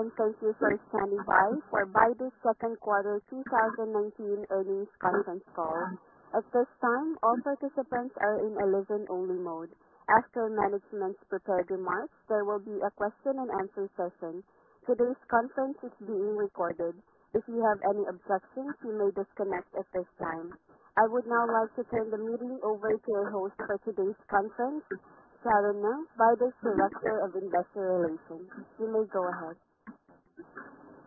Hello, thank you for standing by for Baidu's second quarter 2019 earnings conference call. At this time, all participants are in a listen-only mode. After management's prepared remarks, there will be a question and answer session. Today's conference is being recorded. If you have any objections, you may disconnect at this time. I would now like to turn the meeting over to your host for today's conference, Juan Lin, Baidu's Director of Investor Relations. You may go ahead.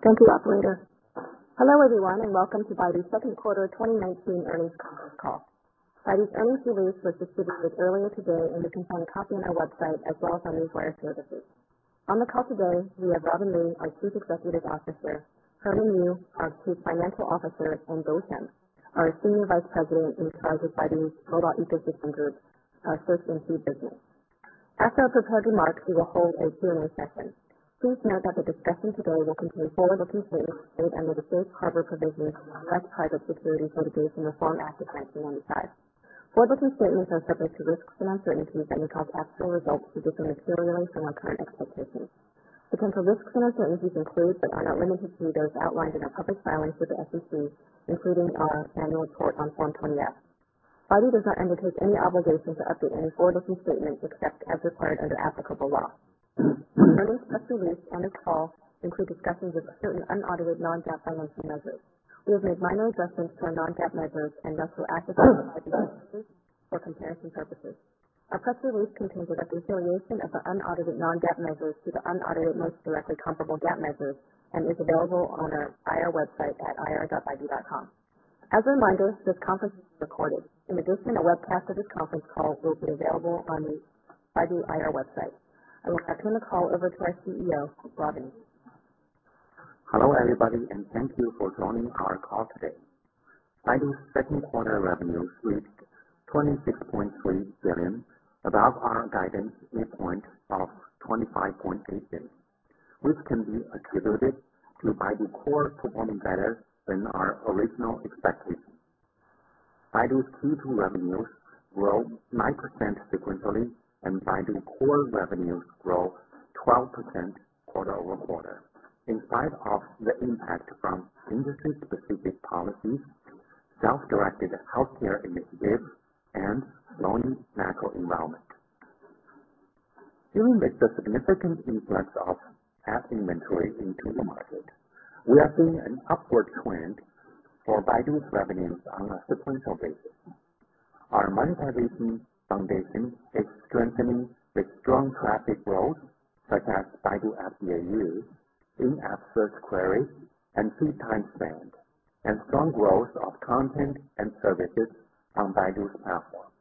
Thank you, operator. Hello, everyone, and welcome to Baidu's second quarter 2019 earnings conference call. Baidu's earnings release was distributed earlier today, and you can find a copy on our website as well as on your wire services. On the call today, we have Robin Li, our Chief Executive Officer, Herman Yu, our Chief Financial Officer, and Dou Shen, our Senior Vice President in charge of Baidu's Mobile Ecosystem Group, our search and feed business. After our prepared remarks, we will hold a Q&A session. Please note that the discussion today will contain forward-looking statements made under the safe harbor provisions of the Private Securities Litigation Reform Act of 1995. Forward-looking statements are subject to risks and uncertainties that may cause actual results to differ materially from our current expectations. Potential risks and uncertainties include, but are not limited to, those outlined in our public filings with the SEC, including our annual report on Form 20-F. Baidu does not undertake any obligation to update any forward-looking statements except as required under applicable law. Earlier press release and this call include discussions of certain unaudited non-GAAP financial measures. We have made minor adjustments to our non-GAAP measures and thus will activate our financial measures for comparison purposes. Our press release contains a reconciliation of the unaudited non-GAAP measures to the unaudited most directly comparable GAAP measures and is available on our IR website at ir.baidu.com. As a reminder, this conference is recorded. In addition, a webcast of this conference call will be available on the Baidu IR website. I will now turn the call over to our CEO, Robin Li. Hello, everybody, and thank you for joining our call today. Baidu's second quarter revenue reached 26.3 billion, above our guidance midpoint of 25.8 billion. This can be attributed to Baidu Core performing better than our original expectations. Baidu's Q2 revenues grow 9% sequentially, and Baidu Core revenues grow 12% quarter-over-quarter, in spite of the impact from industry-specific policies, self-directed healthcare initiatives, and slowing macro environment. Even with the significant influx of ad inventory into the market, we are seeing an upward trend for Baidu's revenues on a sequential basis. Our monetization foundation is strengthening with strong traffic growth, such as Baidu App DAU, in-app search queries, and feed time spent, and strong growth of content and services on Baidu's platform.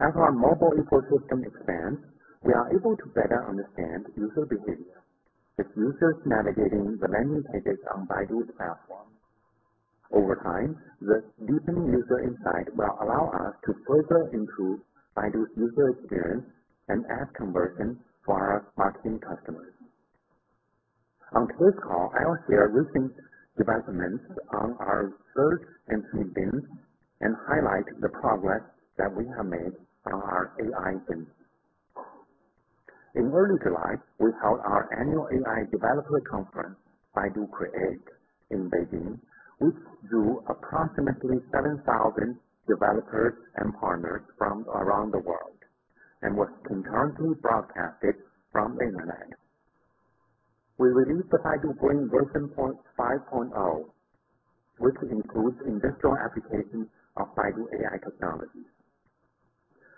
As our mobile ecosystem expands, we are able to better understand user behavior, with users navigating the many pages on Baidu's platform. Over time, this deepening user insight will allow us to further improve Baidu's user experience and ad conversion for our marketing customers. On today's call, I'll share recent developments on our search and feed business and highlight the progress that we have made on our AI business. In early July, we held our annual AI developer conference, Baidu Create, in Beijing, which drew approximately 7,000 developers and partners from around the world and was concurrently broadcasted from the internet. We released the Baidu Brain 5.0, which includes industrial applications of Baidu AI technology.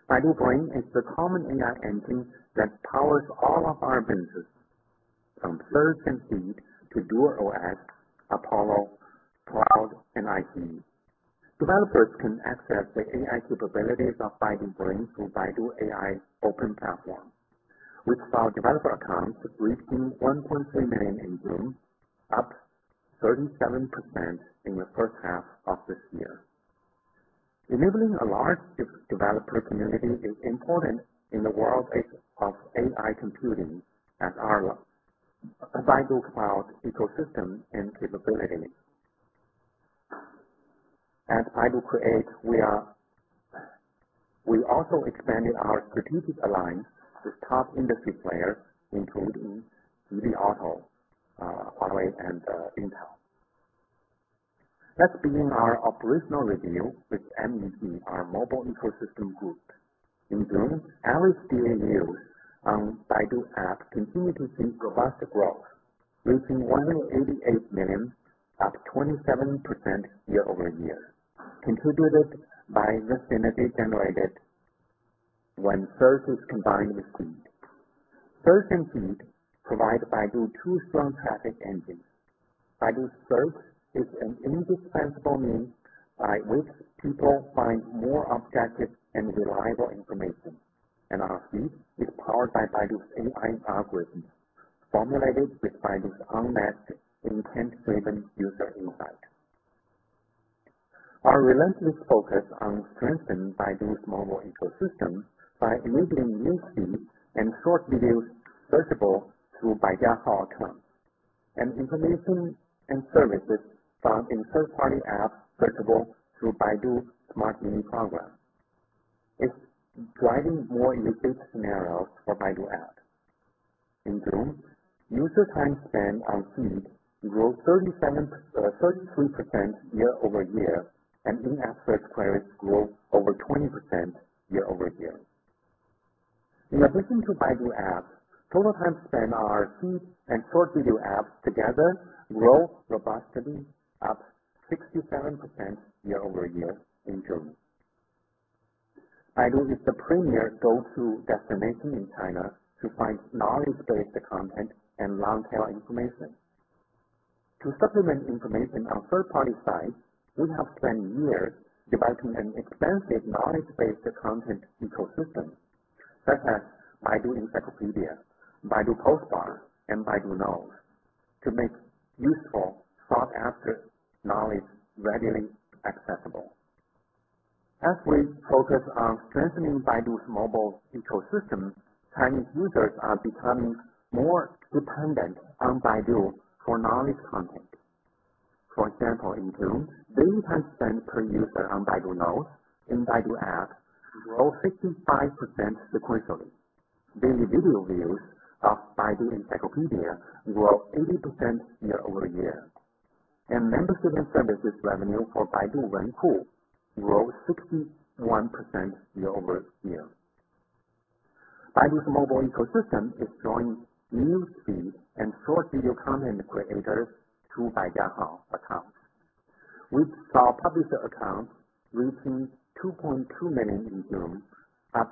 Baidu Brain is the common AI engine that powers all of our ventures, from search and feed to DuerOS, Apollo, cloud, and IC. Developers can access the AI capabilities of Baidu Brain through Baidu AI Open Platform, with cloud developer accounts reaching 1.3 million in June, up 37% in the first half of this year. Enabling a large developer community is important in the world of AI computing as our Baidu Cloud ecosystem and capability mix. At Baidu Create, we also expanded our strategic alliance with top industry players, including Nvidia Auto, Huawei, and Intel. Let's begin our operational review with MEG, our Mobile Ecosystem Group. In June, average daily users on Baidu App continued to see robust growth, reaching 188 million, up 27% year-over-year, contributed by the synergy generated when search is combined with feed. Search and feed provide Baidu two strong traffic engines. Baidu's search is an indispensable means by which people find more objective and reliable information. Our feed is powered by Baidu's AI algorithms, formulated with Baidu's unmatched intent-driven user insight. Our relentless focus on strengthening Baidu's mobile ecosystem by enabling new feeds and short videos searchable through Baidu App, and information and services found in third-party apps searchable through Baidu Smart Mini Programs. It's driving more usage scenarios for Baidu Ads. In June, user time spent on feed grew 33% year-over-year, and in-app search queries grew over 20% year-over-year. In addition to Baidu App, total time spent on our feed and short video apps together grew robustly, up 67% year-over-year in June. Baidu is the premier go-to destination in China to find knowledge-based content and long-tail information. To supplement information on third-party sites, we have spent years developing an expansive knowledge-based content ecosystem, such as Baidu Baike, Baidu Post Bar, and Baidu Knows, to make useful, sought-after knowledge readily accessible. As we focus on strengthening Baidu's mobile ecosystem, Chinese users are becoming more dependent on Baidu for knowledge content. For example, in June, daily time spent per user on Baidu Knows in Baidu App grew 65% sequentially. Daily video views of Baidu Baike grew 80% year-over-year, and membership services revenue for Baidu Wenku grew 61% year-over-year. Baidu's mobile ecosystem is drawing new feed and short video content creators to Baijiahao accounts. We saw publisher accounts reaching 2.2 million in June, up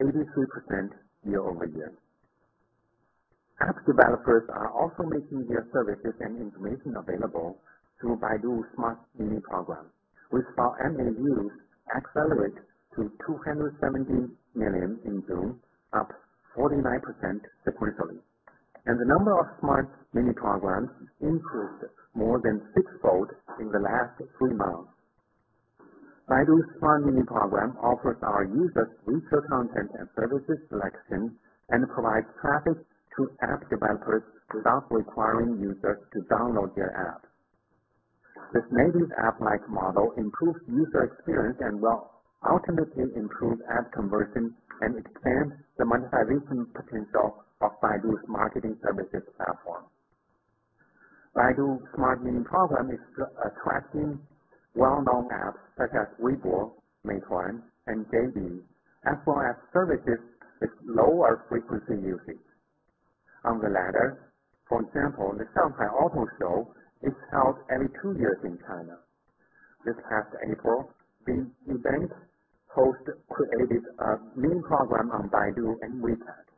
83% year-over-year. App developers are also making their services and information available through Baidu Smart Mini Programs. We saw MAUs accelerate to 270 million in June, up 49% sequentially. The number of Smart Mini Programs improved more than sixfold in the last three months. Baidu's Smart Mini Program offers our users richer content and services selection and provides traffic to app developers without requiring users to download their app. This native app-like model improves user experience and will ultimately improve app conversion and expand the monetization potential of Baidu's marketing services platform. Baidu Smart Mini Program is attracting well-known apps such as Weibo, Meituan, and JD, as well as services with lower frequency usage. On the latter, for example, the Shanghai Auto Show is held every two years in China. This past April, the event host created a mini program on Baidu and WeChat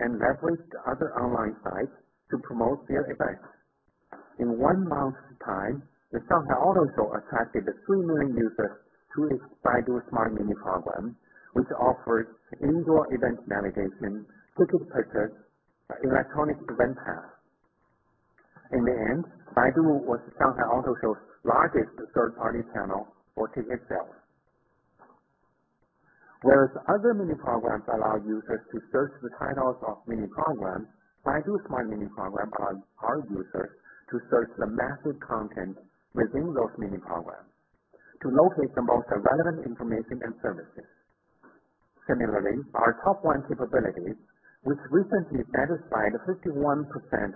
and leveraged other online sites to promote their event. In one month's time, the Shanghai Auto Show attracted 2 million users to its Baidu Smart Mini Program, which offered indoor event navigation, ticket purchase, electronic event pass. In the end, Baidu was Shanghai Auto Show's largest third-party channel for ticket sales. Whereas other mini programs allow users to search the titles of mini programs, Baidu Smart Mini Program allows our users to search the massive content within those mini programs to locate the most relevant information and services. Similarly, our Top One capabilities, which recently satisfied 51%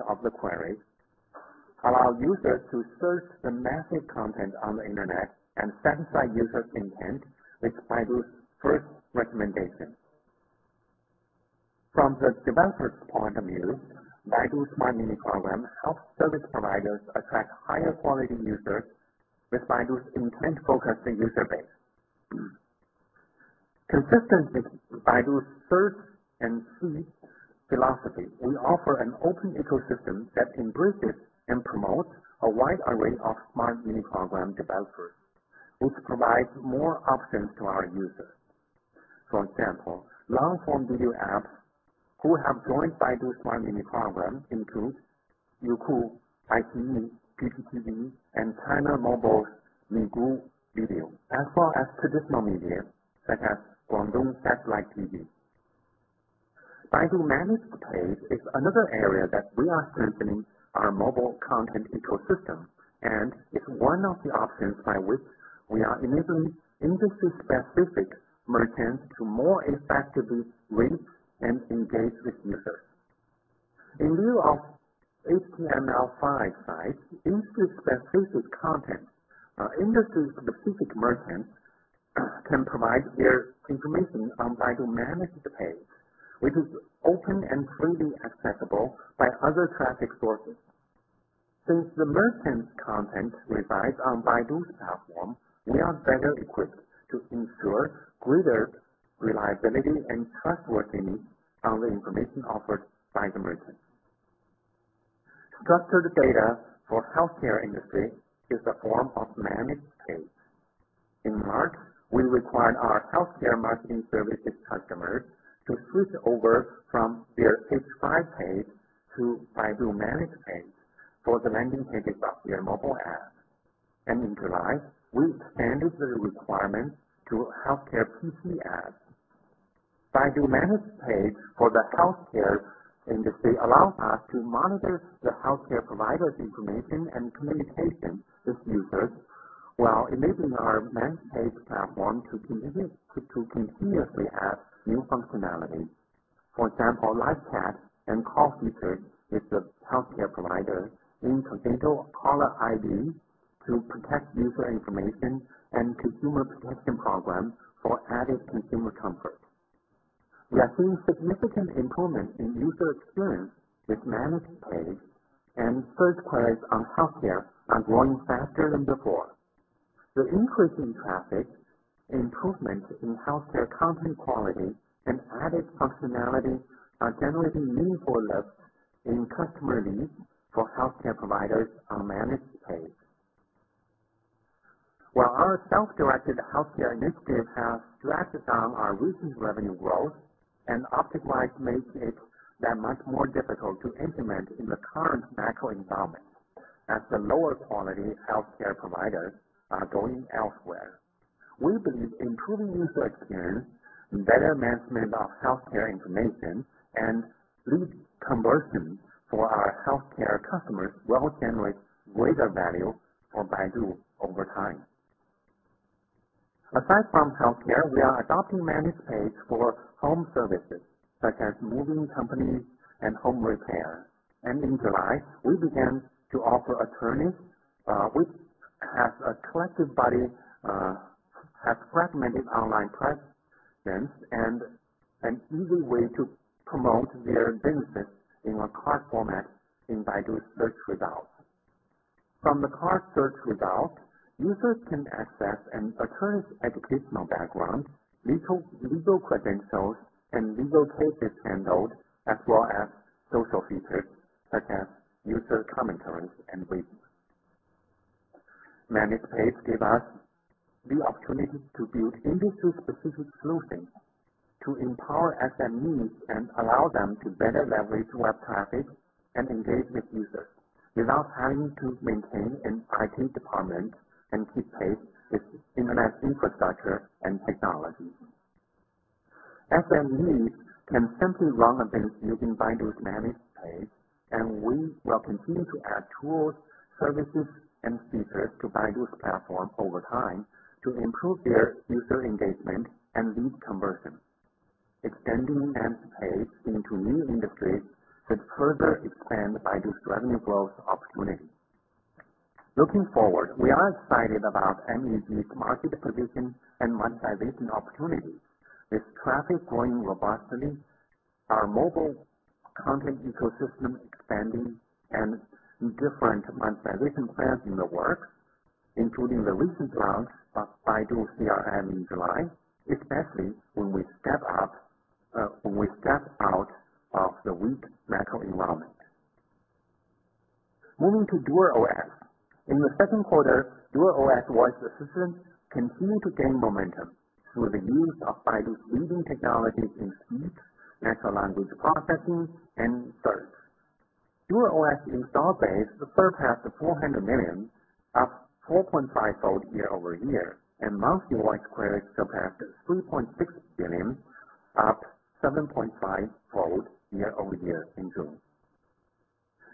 of the queries, allow users to search the massive content on the internet and satisfy users' intent with Baidu's first recommendation. From the developer's point of view, Baidu's Smart Mini Program helps service providers attract higher quality users with Baidu's intent-focused user base. Consistent with Baidu's search and feed philosophy, we offer an open ecosystem that embraces and promotes a wide array of Smart Mini Program developers, which provides more options to our users. For example, long-form video apps who have joined Baidu Smart Mini Programs include Youku, iQIYI, Bilibili, and China Mobile's Migu Video, as well as traditional media, such as Guangdong Satellite TV. Baidu Managed Page is another area that we are strengthening our mobile content ecosystem and is one of the options by which we are enabling industry-specific merchants to more effectively reach and engage with users. In lieu of HTML5 sites, industry-specific content or industry-specific merchants can provide their information on Baidu Managed Page, which is open and freely accessible by other traffic sources. Since the merchant's content resides on Baidu's platform, we are better equipped to ensure greater reliability and trustworthiness of the information offered by the merchant. Structured data for healthcare industry is a form of Managed Page. In March, we required our healthcare marketing services customers to switch over from their H5 page to Baidu Managed Page for the landing pages of their mobile app. In July, we expanded the requirement to healthcare PC ads. Baidu Managed Page for the healthcare industry allows us to monitor the healthcare provider's information and communication with users while enabling our Managed Page platform to continuously add new functionality. For example, live chat and call features with the healthcare provider, integrated caller ID to protect user information, and consumer protection program for added consumer comfort. We are seeing significant improvement in user experience with Managed Page, and search queries on healthcare are growing faster than before. The increase in traffic, improvement in healthcare content quality, and added functionality are generating new pull-ups in customer needs for healthcare providers on Managed Page. While our self-directed healthcare initiative has dragged down our recent revenue growth and optimized make it that much more difficult to implement in the current macro environment as the lower quality healthcare providers are going elsewhere, we believe improving user experience, better management of healthcare information, and lead conversion for our healthcare customers will generate greater value for Baidu over time. Aside from healthcare, we are adopting Managed Page for home services such as moving companies and home repair. In July, we began to offer attorneys, which has a fragmented body, has fragmented online presence, and an easy way to promote their business in a card format in Baidu's search results. From the card search results, users can access an attorney's educational background, legal credentials, and legal cases handled, as well as social features such as user commentaries and ratings. Managed Page give us the opportunity to build industry-specific solutions to empower SMEs and allow them to better leverage web traffic and engage with users without having to maintain an IT department and keep pace with internet infrastructure and technology. SMEs can simply run a business using Baidu's Managed Page, and we will continue to add tools, services, and features to Baidu's platform over time to improve their user engagement and lead conversion. Extending Managed Page into new industries could further expand Baidu's revenue growth opportunity. Looking forward, we are excited about MEG's market position and monetization opportunities. With traffic growing robustly, our mobile content ecosystem expanding, and different monetization plans in the work, including the recent launch of Baidu CRM in July, especially when we step out of the weak macro environment. Moving to DuerOS. In the second quarter, DuerOS voice assistant continued to gain momentum through the use of Baidu's leading technology in speech, natural language processing, and search. DuerOS install base surpassed 400 million, up 4.5-fold year-over-year, and monthly voice queries surpassed 3.6 billion, up 7.5-fold year-over-year in June.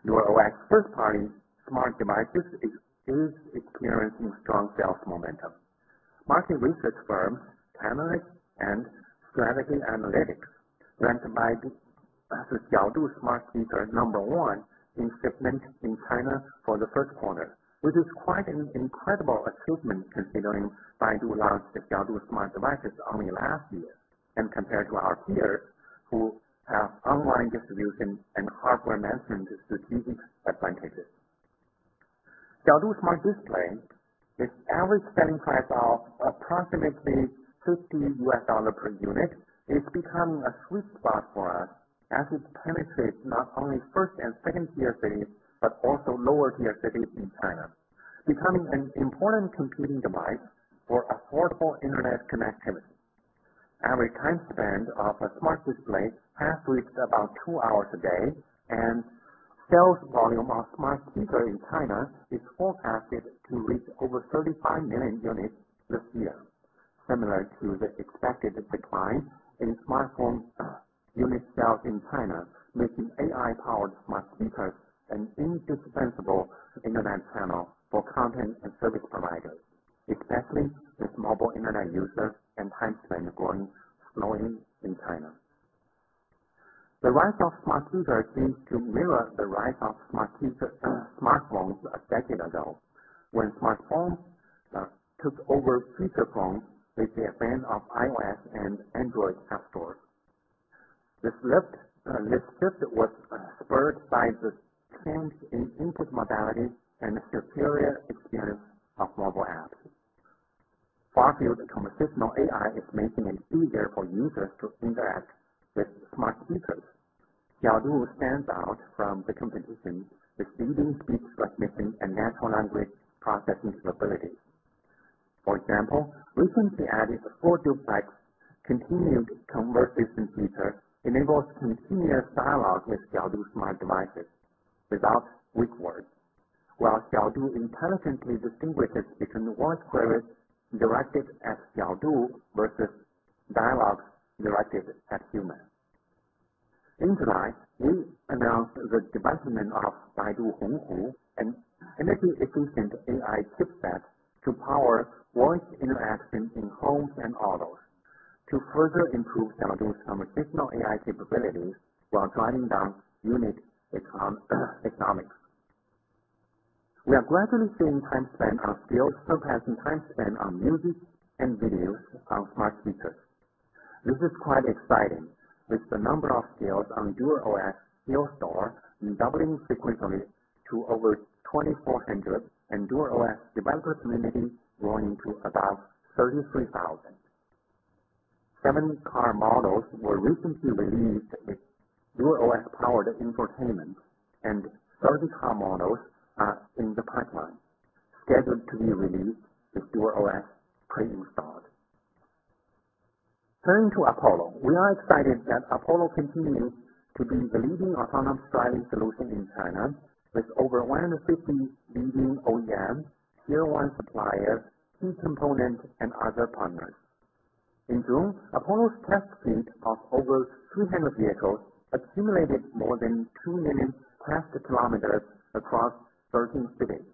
DuerOS first-party smart devices is experiencing strong sales momentum. Market research firms Canalys and Strategy Analytics ranked Baidu's Xiaodu smart speaker number 1 in shipment in China for the first quarter, which is quite an incredible achievement considering Baidu launched its Xiaodu smart devices only last year, and compared to our peers who have online distribution and hardware management distribution advantages. Xiaodu smart display, with average selling price of approximately $50 per unit, is becoming a sweet spot for us as it penetrates not only tier 1 and tier 2 cities, but also lower-tier cities in China, becoming an important computing device for affordable internet connectivity. Average time spent on a smart display has reached about two hours a day. Sales volume of smart speaker in China is forecasted to reach over 35 million units this year. Similar to the expected decline in smartphone unit sales in China, making AI-powered smart speakers an indispensable internet channel for content and service providers, especially with mobile internet users and time spent growing, slowing in China. The rise of smart speaker seems to mirror the rise of smartphones a decade ago, when smartphones took over feature phones with the advent of iOS and Android app stores. This shift was spurred by the change in input modality and the superior experience of mobile apps. Far-field conversational AI is making it easier for users to interact with smart speakers. Xiaodu stands out from the competition with leading speech recognition and natural language processing abilities. For example, recently added full-duplex continuous conversation feature enables continuous dialogue with Xiaodu smart devices without wake words. While Xiaodu intelligently distinguishes between voice queries directed at Xiaodu versus dialogues directed at humans. In July, we announced the development of Baidu Honghu, an energy-efficient AI chipset to power voice interaction in homes and autos to further improve Xiaodu's conversational AI capabilities while driving down unit economics. We are gradually seeing time spent on skills surpassing time spent on music and videos on smart speakers. This is quite exciting, with the number of skills on DuerOS Skill Store doubling sequentially to over 2,400 and DuerOS developer community growing to about 33,000. Seven car models were recently released with DuerOS-powered infotainment, and 30 car models are in the pipeline, scheduled to be released with DuerOS pre-installed. Turning to Apollo. We are excited that Apollo continues to be the leading autonomous driving solution in China, with over 150 leading OEMs, tier 1 suppliers, key components, and other partners. In June, Apollo's test fleet of over 200 vehicles accumulated more than 2 million tested km across 13 cities.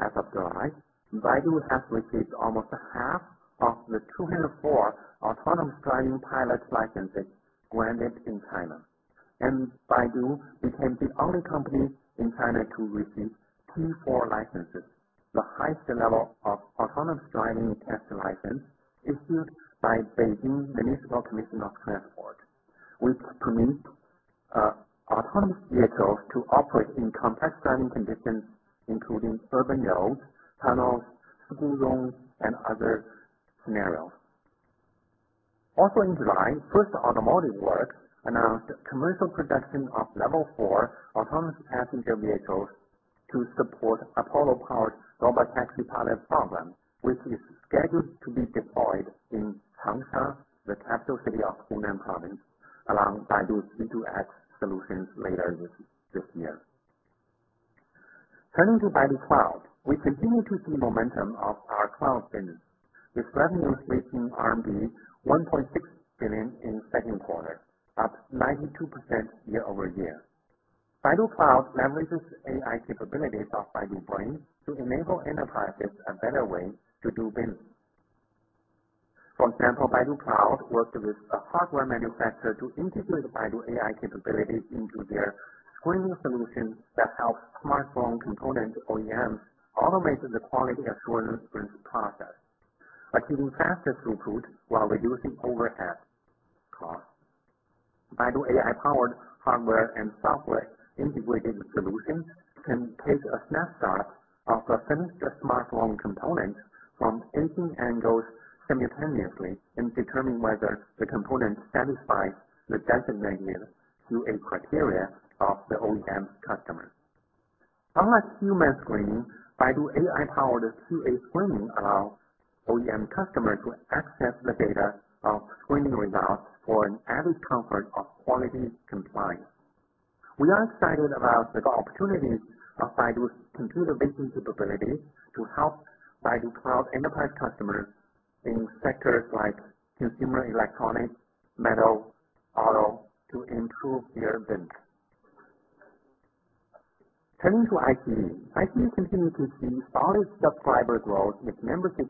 As of July, Baidu has received almost half of the 204 autonomous driving pilot licenses granted in China. Baidu became the only company in China to receive T4 licenses, the highest level of autonomous driving test license issued by Beijing Municipal Commission of Transport, which permits autonomous vehicles to operate in complex driving conditions, including urban roads, tunnels, school zones, and other scenarios. Also in July, First Automotive Works announced commercial production of level 4 autonomous passenger vehicles to support Apollo-powered robotaxi pilot program, which is scheduled to be deployed in Changsha, the capital city of Hunan Province, along Baidu's V2X solutions later this year. Turning to Baidu Cloud. We continue to see momentum of our cloud business, with revenues reaching RMB 1.6 billion in second quarter, up 92% year-over-year. Baidu Cloud leverages AI capabilities of Baidu Brain to enable enterprises a better way to do business. For example, Baidu Cloud worked with a hardware manufacturer to integrate Baidu AI capabilities into their screening solution that helps smartphone component OEMs automate the quality assurance process, achieving faster throughput while reducing overhead costs. Baidu AI-powered hardware and software integrated solutions can take a snapshot of a finished smartphone component from 18 angles simultaneously and determine whether the component satisfies the designated QA criteria of the OEM customer. Unlike human screening, Baidu AI-powered QA screening allows OEM customers to access the data of screening results for an added comfort of quality compliance. We are excited about the opportunities of Baidu's computer vision capabilities to help Baidu Cloud enterprise customers in sectors like consumer electronics, metal, auto to improve their business. Turning to iQIYI. iQIYI continued to see solid subscriber growth, with membership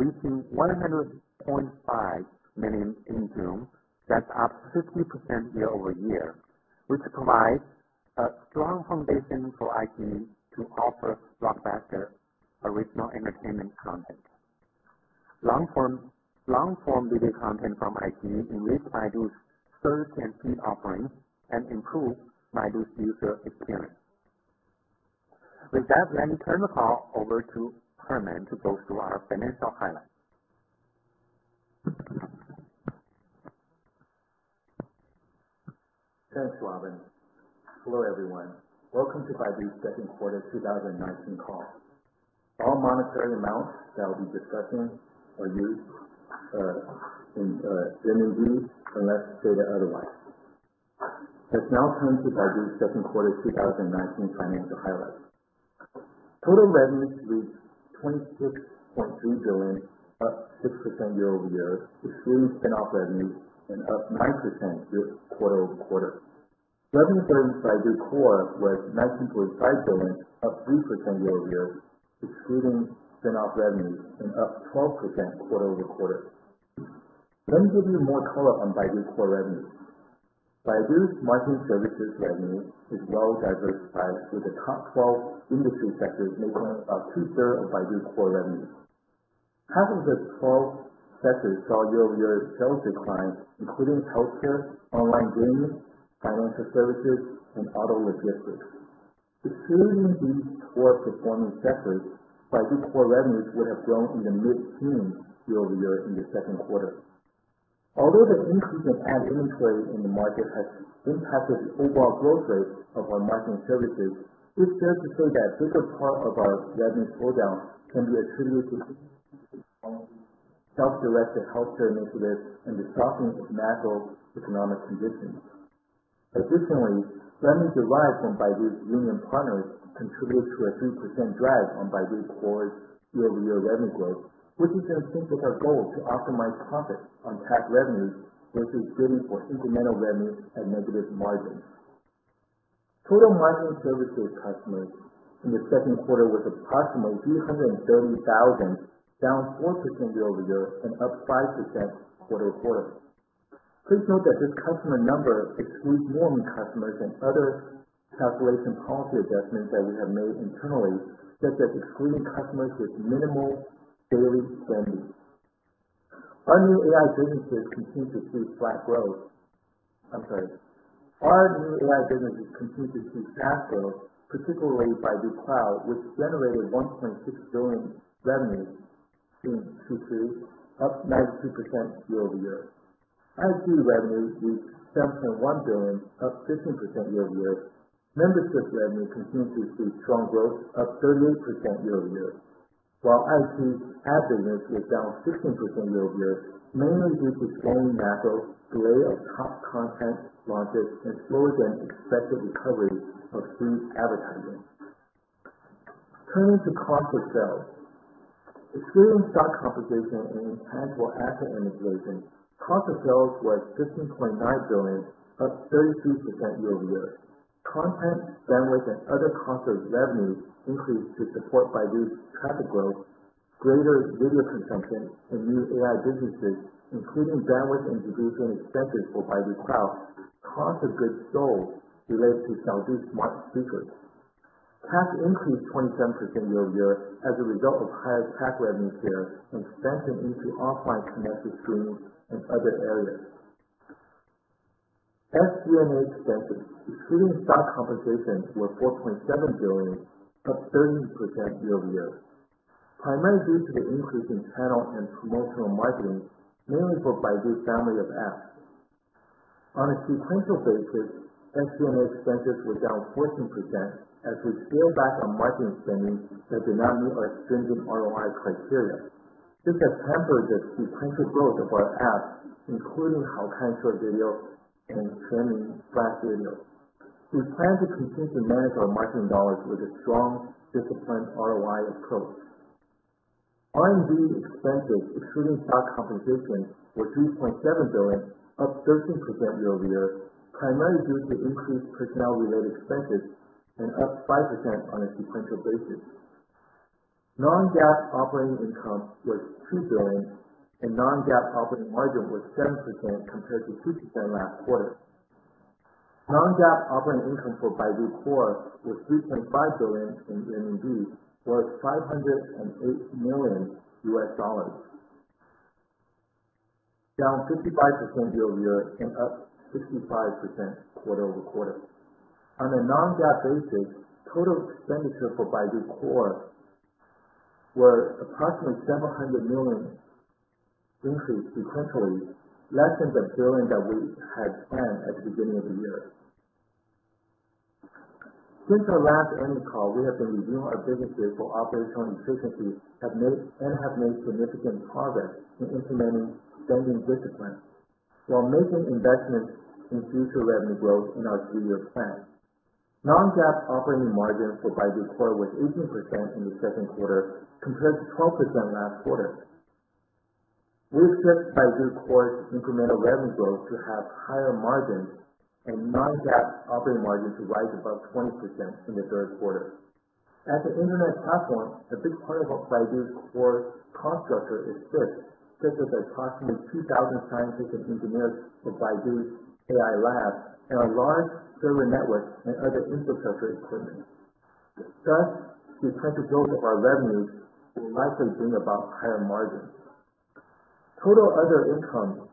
reaching 100.5 million in June. That's up 15% year-over-year, which provides a strong foundation for iQIYI to offer blockbuster original entertainment content. Long-form video content from iQIYI enrich Baidu's search and feed offerings and improve Baidu's user experience. With that, let me turn the call over to Herman to go through our financial highlights. Thanks, Robin. Hello, everyone. Welcome to Baidu's second quarter 2019 call. All monetary amounts that I'll be discussing are used in RMB, unless stated otherwise. It's now time to review second quarter 2019 financial highlights. Total revenue reached 26.3 billion, up 6% year-over-year, excluding spin-off revenue, and up 9% quarter-over-quarter. Revenue earned by Baidu Core was RMB 19.5 billion, up 3% year-over-year, excluding spin-off revenue, and up 12% quarter-over-quarter. Let me give you more color on Baidu Core revenue. Baidu's marketing services revenue is well-diversified, with the top 12 industry sectors making up two-thirds of Baidu Core revenue. Half of the 12 sectors saw year-over-year sales decline, including healthcare, online gaming, financial services, and auto logistics. Excluding these poor performing sectors, Baidu Core revenues would have grown in the mid-teens year-over-year in the second quarter. The increase of ad inventory in the market has impacted the overall growth rate of our marketing services, it's fair to say that bigger part of our revenue slowdown can be attributed to Self-directed healthcare initiatives and the softening of macroeconomic conditions. Additionally, revenue derived from Baidu's union partners contributed to a 3% drag on Baidu Core year-over-year revenue growth, which is in sync with our goal to optimize profit on CAC revenues versus bidding for incremental revenue at negative margins. Total margin services customers in the second quarter was approximately 330,000, down 4% year-over-year and up 5% quarter-over-quarter. Please note that this customer number excludes warming customers and other calculation policy adjustments that we have made internally, such as excluding customers with minimal daily spending. Our new AI businesses continue to see flat growth. I'm sorry. Our new AI businesses continue to see fast growth, particularly Baidu Cloud, which generated 1.6 billion revenues in Q2, up 92% year-over-year. iQIYI revenue reached 7.1 billion, up 15% year-over-year. Membership revenue continues to see strong growth, up 38% year-over-year. iQIYI's ad business was down 15% year-over-year, mainly due to slowing macro, delay of top content launches, and slower-than-expected recovery of food advertising. Turning to cost of sales. Excluding stock compensation and intangible asset amortization, cost of sales was 15.9 billion, up 32% year-over-year. Content, bandwidth, and other cost of revenues increased to support Baidu's traffic growth, greater video consumption and new AI businesses, including bandwidth and depreciation expenses for Baidu Cloud, cost of goods sold related to Xiaodu smart speakers. CAC increased 27% year-over-year as a result of higher CAC revenue here and spending into offline connected screens and other areas. SG&A expenses excluding stock compensation were 4.7 billion, up 13% year-over-year, primarily due to the increase in channel and promotional marketing, mainly for Baidu family of apps. On a sequential basis, SG&A expenses were down 14% as we scaled back on marketing spending that did not meet our stringent ROI criteria. This has hampered the sequential growth of our apps, including Haokan Video and streaming flash video. We plan to continue to manage our marketing dollars with a strong, disciplined ROI approach. R&D expenses excluding stock compensation were 3.7 billion, up 13% year-over-year, primarily due to increased personnel-related expenses and up 5% on a sequential basis. Non-GAAP operating income was 2 billion and non-GAAP operating margin was 7% compared to 2% last quarter. Non-GAAP operating income for Baidu Core was 3.5 billion RMB or $508 million, down 55% year-over-year and up 65% quarter-over-quarter. On a non-GAAP basis, total expenditure for Baidu Core were approximately RMB 700 million sequentially, less than 1 billion that we had planned at the beginning of the year. Since our last earnings call, we have been reviewing our businesses for operational efficiencies and have made significant progress in implementing spending discipline while making investments in future revenue growth in our three-year plan. Non-GAAP operating margin for Baidu Core was 18% in the second quarter compared to 12% last quarter. We expect Baidu Core's incremental revenue growth to have higher margins and non-GAAP operating margin to rise above 20% in the third quarter. As an internet platform, a big part of Baidu Core's cost structure is fixed, such as approximately 2,000 scientists and engineers at Baidu's AI labs and our large server network and other infrastructure equipment. The expected growth of our revenues will likely bring about higher margins. Total other income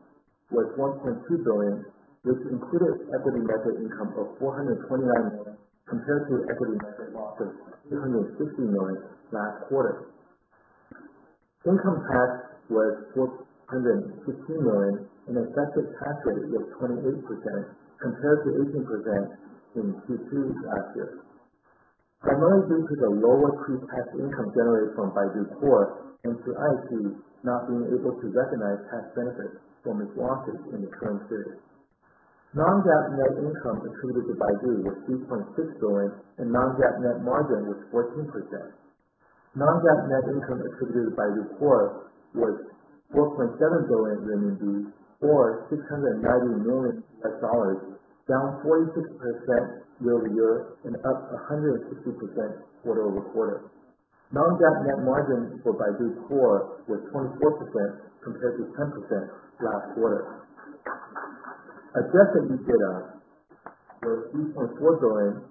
was 1.2 billion, which included equity method income of 429 million compared to equity method loss of 360 million last quarter. Income tax was 416 million, an effective tax rate of 28% compared to 18% in Q2 last year, primarily due to the lower pre-tax income generated from Baidu Core and through IG not being able to recognize tax benefits from its losses in the current period. Non-GAAP net income attributed to Baidu was 3.6 billion and non-GAAP net margin was 14%. Non-GAAP net income attributed to Baidu Core was RMB 4.7 billion or $690 million, down 46% year-over-year and up 150% quarter-over-quarter. Non-GAAP net margin for Baidu Core was 24% compared to 10% last quarter. Adjusted EBITDA was RMB 3.4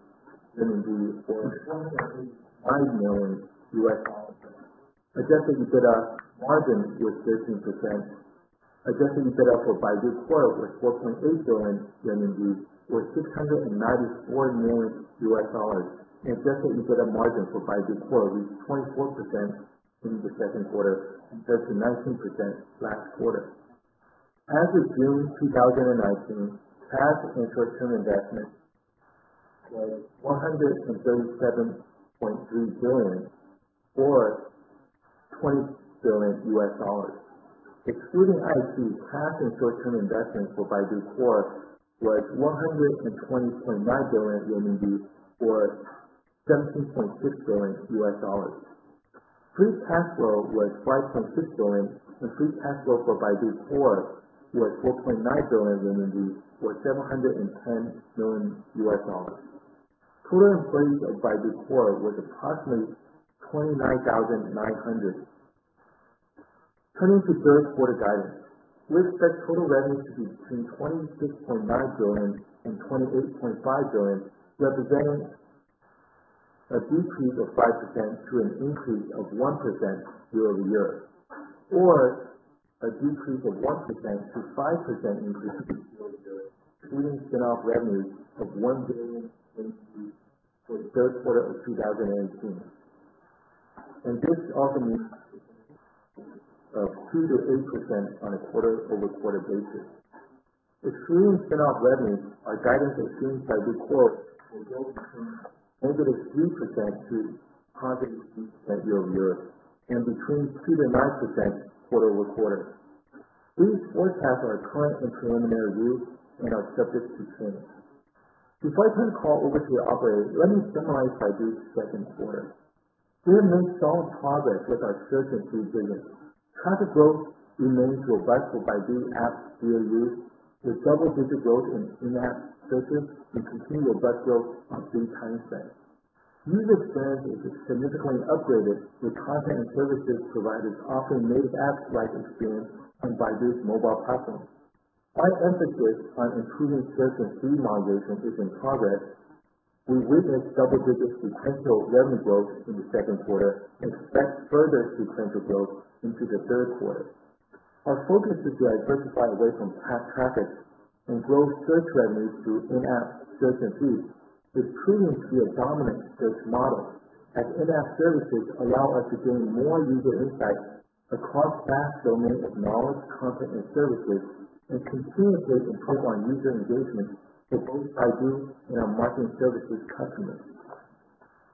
billion or $505 million. Adjusted EBITDA margin was 13%. Adjusted EBITDA for Baidu Core was 4.8 billion or $694 million USD, and Adjusted EBITDA margin for Baidu Core was 24% in the second quarter compared to 19% last quarter. As of June 2019, cash and short-term investments was RMB 137.3 billion, or $20 billion US. Excluding iQIYI, cash and short-term investments for Baidu Core was 120.9 billion RMB, or $17.6 billion US. Free cash flow was 5.6 billion, and free cash flow for Baidu Core was 4.9 billion renminbi, or $710 million US. Total employees at Baidu Core was approximately 29,900. Turning to third quarter guidance. We expect total revenue to be between 26.9 billion and 28.5 billion, representing a decrease of 5% to an increase of 1% year-over-year, or a decrease of 1% to 5% increase year-over-year, excluding spin-off revenues of 1 billion for the third quarter of 2019. This also means a 2%-8% on a quarter-over-quarter basis. Excluding spin-off revenues, our guidance assumes Baidu Core will grow between -3%-8% year-over-year, and between 2%-9% quarter-over-quarter. These forecasts are current and preliminary views and are subject to change. Before I turn the call over to the operator, let me summarize Baidu's second quarter. We have made strong progress with our Search and Feed business. Traffic growth remains robust for Baidu apps daily use, with double-digit growth in in-app searches and continued robust growth on daily time spent. User experience is significantly upgraded with content and services providers offering native app-like experience on Baidu's Mobile Platforms. Our emphasis on improving Search and Feed monetization is in progress. We witnessed double-digit sequential revenue growth in the second quarter and expect further sequential growth into the third quarter. Our focus is to diversify away from past traffic and grow search revenues through in-app Search and Feed. It's proving to be a dominant search model, as in-app services allow us to gain more user insights across vast domains of knowledge, content, and services, and continuously improve on user engagement for both Baidu and our marketing services customers.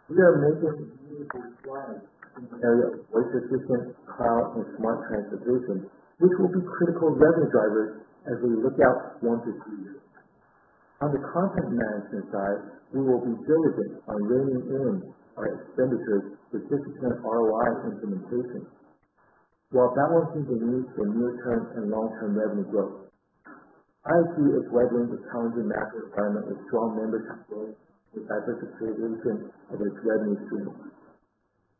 We are making significant strides in the area of voice assistant, Baidu Cloud, and smart transportation, which will be critical revenue drivers as we look out one to three years. On the content management side, we will be diligent on reining in our expenditures with 50% ROI implementation, while balancing the need for near-term and long-term revenue growth. iQIYI is weathering the challenging macro environment with strong membership growth and diversification of its revenue streams.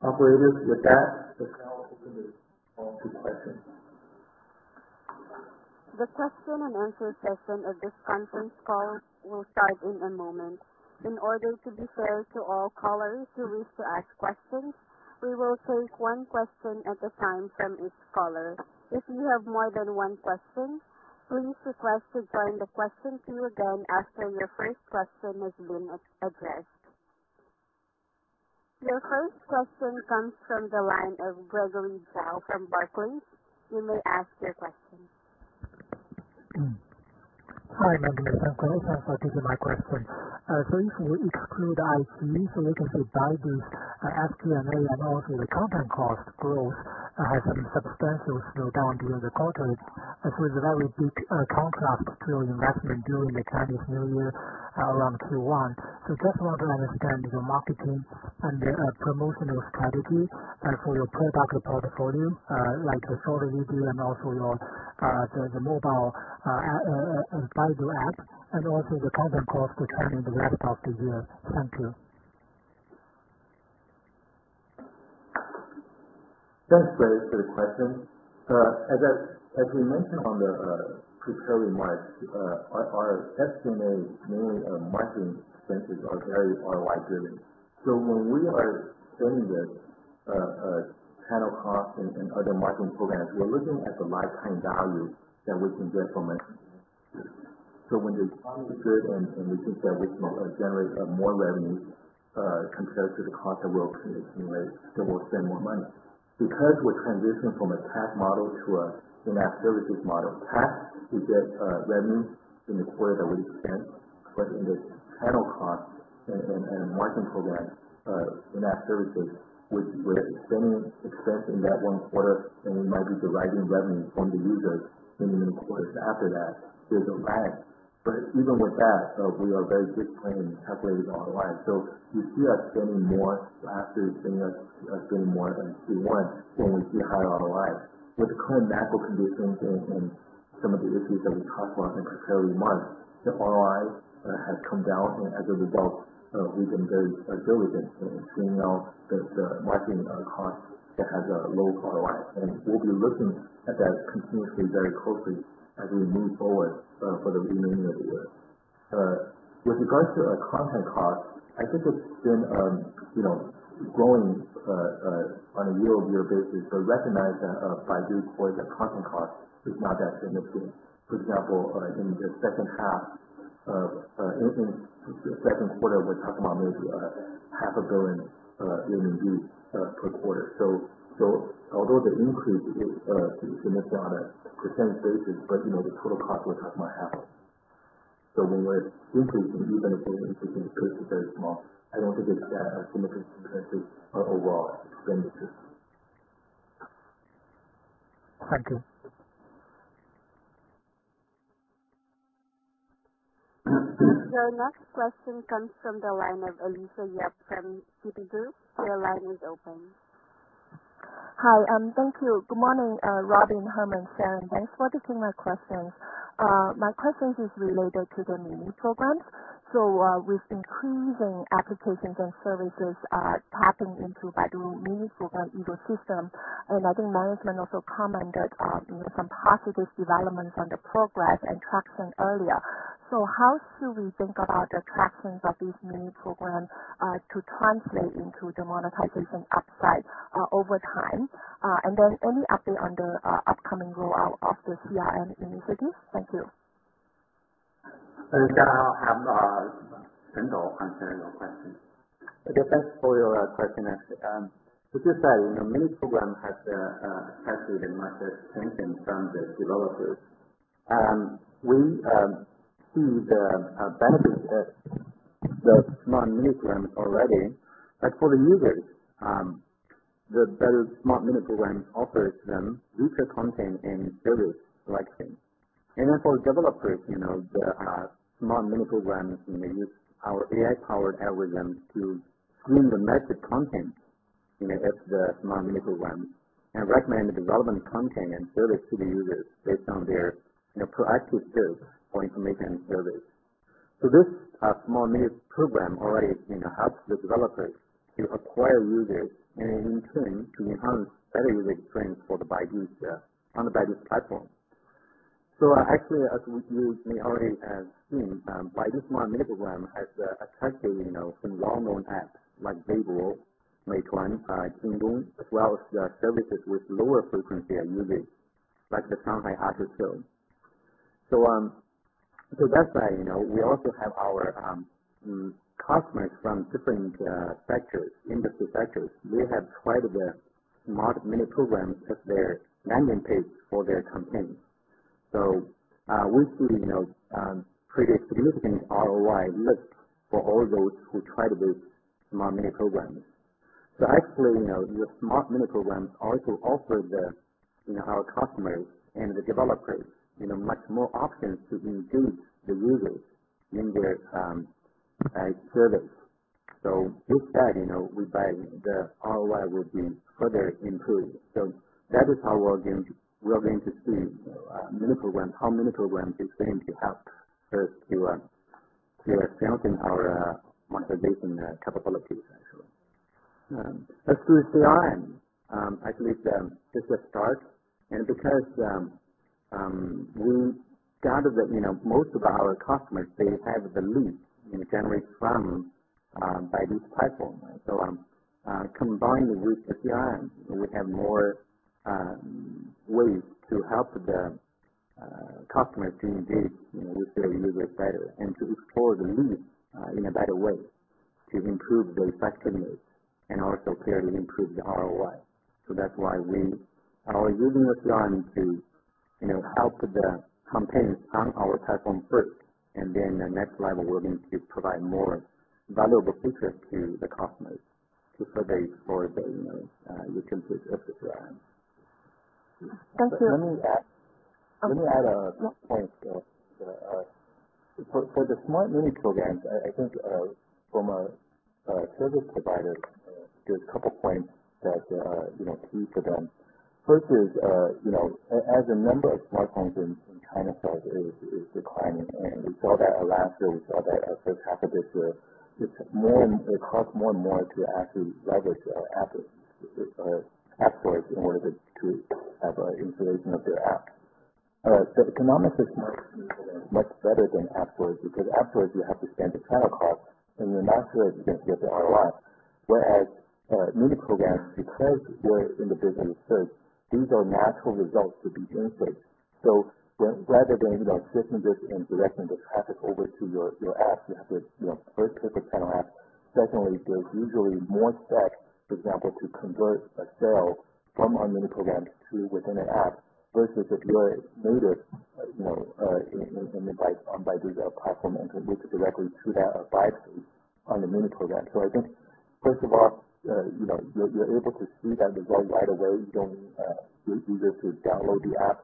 Operators, with that, the call is open to questions. The question and answer session of this conference call will start in a moment. In order to be fair to all callers who wish to ask questions, we will take one question at a time from each caller. If you have more than one question, please request to join the question queue again after your first question has been addressed. Your first question comes from the line of Gregory Zhao from Barclays. You may ask your question. Hi, Robin. Thanks a lot. Thanks for taking my question. If you exclude iQIYI, recently Baidu's actually, I know that also the content cost growth has been substantial down during the quarter. It's a very big contrast to your investment during the Chinese New Year around Q1. Just wanted to understand your marketing and the promotional strategies for your product portfolio, like the short video and also the mobile Baidu App, and also the content cost trend in the rest of the year. Thank you. Thanks, Greg, for the question. As we mentioned on the prepared remarks, our estimates, mainly our marketing expenses, are very ROI-driven. When we are doing this panel cost and other marketing programs, we are looking at the lifetime value that we can get from it. When the economy is good and we think that this will generate more revenue, compared to the cost that we're incurring, then we'll spend more money. Because we're transitioning from a TAC model to a in-app services model, TAC, we get revenue in the quarter that we spent, but in the panel cost and marketing program, in-app services, we're spending expense in that one quarter, and we might be deriving revenue from the users in the quarters after that. There's a lag. Even with that, we are very disciplined and calculated on ROI. You see us spending more after spending more than Q1 when we see higher ROIs. With current macro conditions and some of the issues that we talked about in prepared remarks, the ROI has come down, and as a result, we've been very diligent in trimming out the marketing cost that has a low ROI. We'll be looking at that continuously, very closely as we move forward for the remainder of the year. With regards to our content cost, I think it's been growing on a year-over-year basis. Recognize that Baidu Core content cost is not that significant. For example, in the second quarter, we're talking about maybe half a billion RMB per quarter. Although the increase is significant on a percentage basis, but the total cost was just not happening. When we're increasing user engagement, because the base is very small, I don't think it's going to have a significant impact on overall expenditures. Thank you. Your next question comes from the line of Alicia Yap from Citigroup. Your line is open. Hi. Thank you. Good morning, Robin, Herman, Sam, thanks for taking my questions. My questions is related to the mini programs. With increasing applications and services tapping into Baidu mini program ecosystem, I think management also commented on some positive developments on the progress and traction earlier. How should we think about the traction of these mini programs to translate into monetization upside over time? Any update on the upcoming rollout of the CRM initiative? Thank you. Alicia, I'll have Dou answer your question. Thanks for your question. As we just said, Smart Mini Programs have attracted a lot of attention from the developers. We see the benefit of the Smart Mini Program already, like for the users, the better Smart Mini Program offers them richer content and service selection. For developers, the Smart Mini Programs use our AI-powered algorithms to clean the massive content at the Smart Mini Program and recommend the relevant content and service to the users based on their proactive search for information and service. This Smart Mini Program already helps the developers to acquire users and in turn to enhance better user experience on the Baidu platform. Actually, as you may already have seen, Baidu Smart Mini Program has attracted some well-known apps like Weibo, Meituan, Jingdong, as well as services with lower frequency of usage, like the Shanghai Auto Show. That's why we also have our customers from different industry sectors. We have tried the Baidu Smart Mini Programs as their landing page for their campaigns. We see pretty significant ROI lift for all those who try these Baidu Smart Mini Programs. Actually, the Baidu Smart Mini Programs also offer our customers and the developers much more options to engage the users in their service. With that, we find the ROI would be further improved. That is how we are going to see how Baidu Smart Mini Programs is going to help us to strengthen our monetization capabilities actually. As to CRM, I believe this is a start, and because we gathered that most of our customers, they have the leads generated from Baidu platform. Combined with CRM, we have more ways to help the customers to engage with their users better, and to explore the leads in a better way to improve the effectiveness and also clearly improve the ROI. That's why we are using the CRM to help the campaigns on our platform first, and then the next level, we're going to provide more valuable features to the customers to further explore the potential of the CRM. Thank you. Let me add a point. For the Baidu Smart Mini Programs, I think from a service provider, there's a couple points that key for them. First is, as the number of smartphones in China itself is declining, and we saw that last year, we saw that first half of this year, it costs more and more to actually leverage App stores in order to have an installation of their app. The economics is much better than App stores because App stores you have to spend the channel cost and you're not sure if you're going to get the ROI. Whereas Baidu Smart Mini Programs, because we're in the business of search, these are natural results to be influenced. Rather than searching this and directing the traffic over to your app, you have to first take a channel app. There's usually more steps, for example, to convert a sale from our Smart Mini Programs to within an app versus if you're native on Baidu's platform and can move it directly to that buy page on the Smart Mini Program. I think first of all, you're able to see that result right away. You don't need the user to download the app.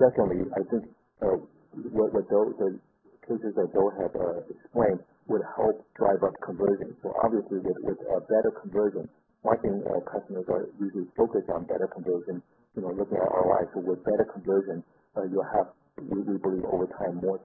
Secondly, I think what the cases that Zhou had explained would help drive up conversion. Obviously, with a better conversion, marketing customers are usually focused on better conversion, looking at ROI. With better conversion, we believe over time, more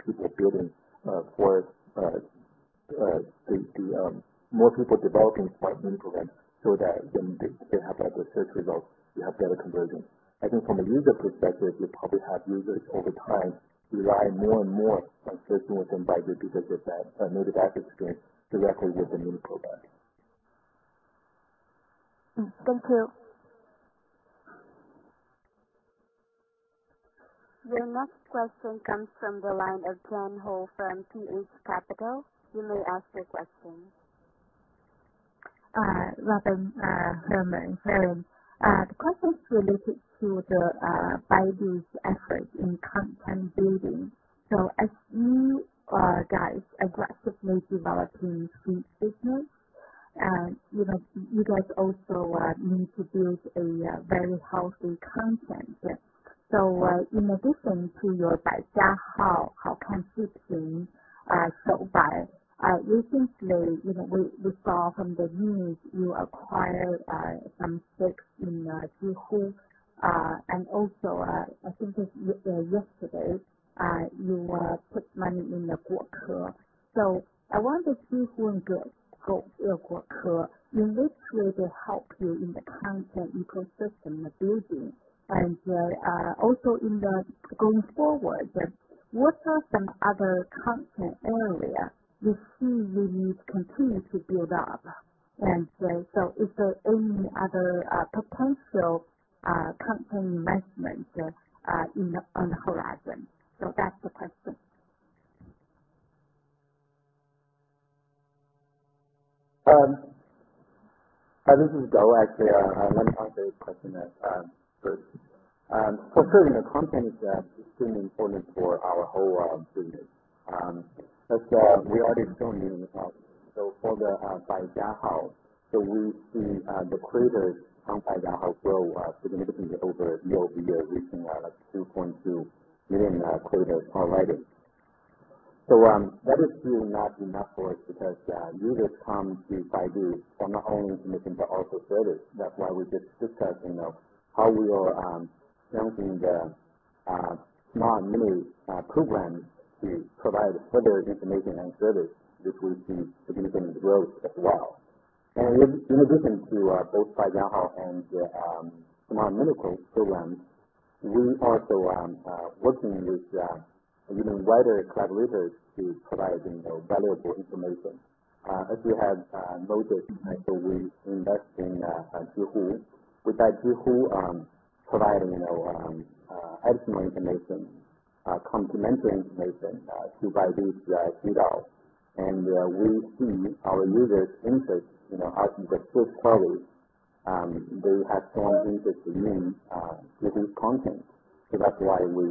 people developing Smart Mini Programs so that when they have better search results, you have better conversion. I think from a user perspective, you'll probably have users over time rely more and more on searching within Baidu because of that native app experience directly with the mini program. Thank you. Your next question comes from the line of John Ho from KeyBanc Capital. You may ask your question. Robin, Herman, and Juan Lin. The question is related to the Baidu's efforts in content building. As you guys aggressively developing speech business, you guys also need to build a very healthy content. In addition to your Baijiahao content team so far, recently, we saw from the news you acquired some stakes in Zhihu, and also, I think yesterday, you put money in the Guokr. I wonder Zhihu and Guokr, in which way they help you in the content ecosystem building and also in the going forward, what are some other content area you see you need to continue to build up? Is there any other potential content investment on the horizon? That's the question. This is Joe, actually. Let me answer this question first. For sure, the content is extremely important for our whole business. As we already shown you in the past, for the Baijiahao, so we see the creators on Baijiahao grow significantly over year-over-year, reaching like 2.2 million creators already. That is truly not enough for us because users come to Baidu for not only information, but also service. That's why we're just discussing how we are launching the Smart Mini Programs to provide further information and service, which we see significant growth as well. In addition to both Baijiahao and the Smart Mini Programs, we also are working with even wider collaborators to providing those valuable information. As you have noticed, we invest in Zhihu, with that Zhihu providing additional information, complementary information to Baidu's Zhidao. We see our users interest in our search queries. They have strong interest in reading content. That's why we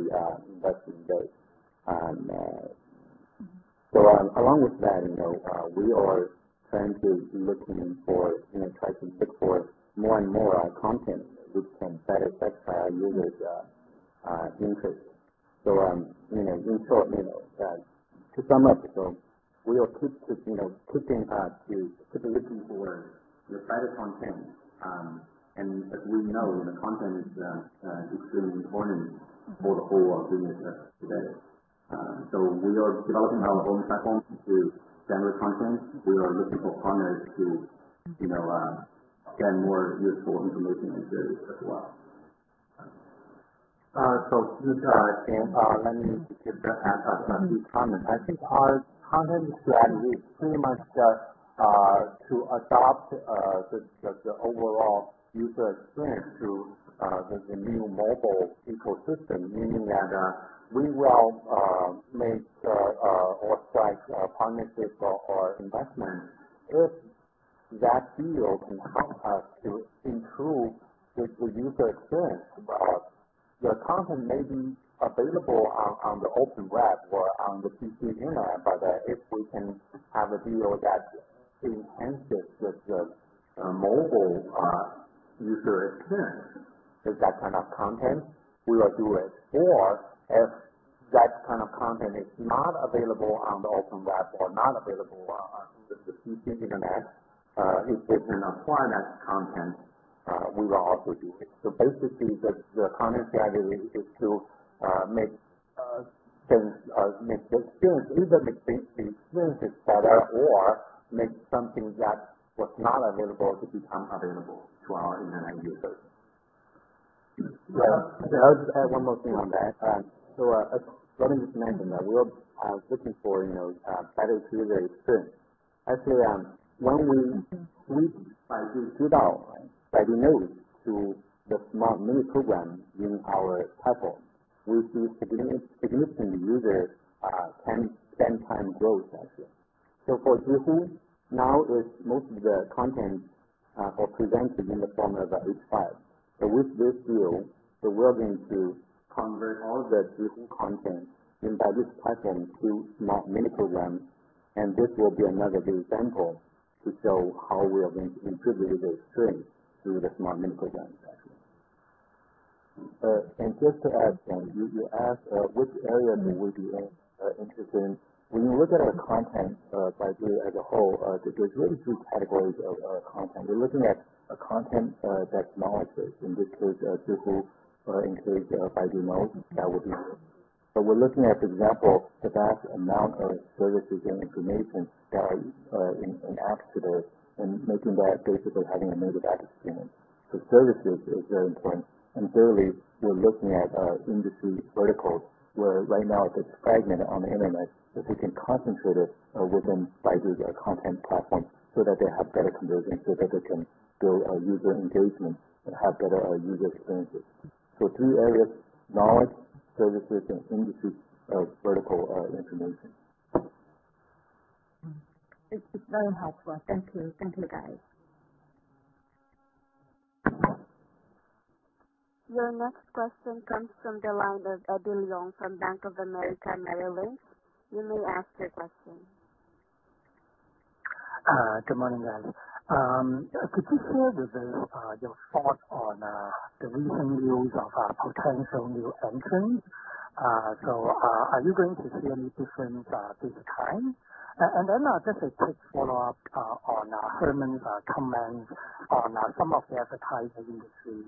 invested in those. Along with that, we are trying to looking for and trying to pick for more and more content which can better fit our users' interest. In short, to sum up, we will keep looking for the better content. As we know, the content is extremely important for the whole business today. We are developing our own platform to generate content. We are looking for partners to get more useful information and service as well. Since Ken let me to give the answer, I will comment. I think our content strategy is pretty much to adopt the overall user experience to the new mobile ecosystem, meaning that we will make or strike partnerships or investment if that deal can help us to improve the user experience. The content may be available on the open web or on the PC internet, but if we can have a deal that enhances the mobile user experience with that kind of content, we will do it. If that kind of content is not available on the open web or not available on the PC internet, if we can acquire that content, we will also do it. Basically, the content strategy is to either make the experiences better or make something that was not available to become available to our internet users. I'll just add one more thing on that. As Robin just mentioned, that we're looking for better user experience. Actually, when we link Baidu Zhidao and Baidu Knows to the Smart Mini Programs in our platform, we see significant user 10 times growth actually. For Zhihu, now most of the content are presented in the form of a H5. With this deal, so we're going to convert all the Zhihu content in Baidu's platform to Smart Mini Programs, and this will be another good example to show how we are going to improve the user experience through the Smart Mini Programs actually. Just to add, John, you asked which area we would be interested in. When you look at our content, Baidu as a whole, there's really two categories of our content. We're looking at a content that's knowledge-based, in this case, Zhihu or in case of Baidu Knows, that would be one. We're looking at, for example, the vast amount of services and information that are in apps today and making that basically having a mobile app experience. Services is very important. Thirdly, we're looking at industry verticals where right now it is fragmented on the internet, if we can concentrate it within Baidu's content platform so that they have better conversion, so that they can build user engagement and have better user experiences. Three areas, knowledge, services, and industry vertical information. It's very helpful. Thank you, guys. Your next question comes from the line of Eddie Leung from Bank of America Merrill Lynch. You may ask your question. Good morning, guys. Could you share with us your thoughts on the recent news of potential new entrants? Are you going to see any difference this time? Just a quick follow-up on Herman's comments on some of the advertising industries.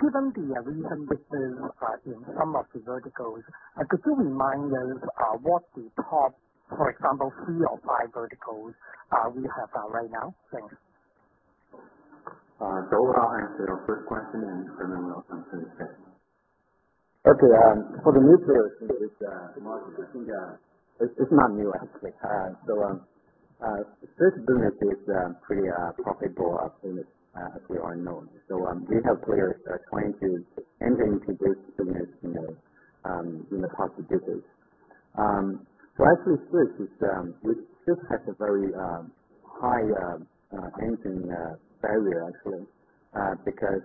Given the recent business in some of the verticals, could you remind us what the top, for example, three or five verticals we have right now? Thanks. I'll answer your first question, and then Herman will answer the second one. Okay. For the new players, it's not new, actually. Search business is a pretty profitable business, as we all know. We have players trying to enter into this business in the past decades. Actually, search still has a very high entering barrier, actually, because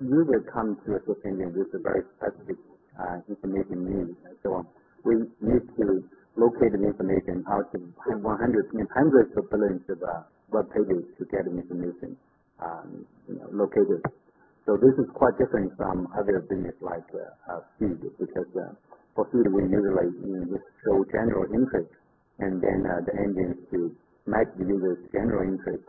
users come to a search engine with a very specific information need. We need to locate the information out of hundreds of billions of web pages to get the information located. This is quite different from other business like food, because for food, we usually just show general interest, and then the engines to match the user's general interest.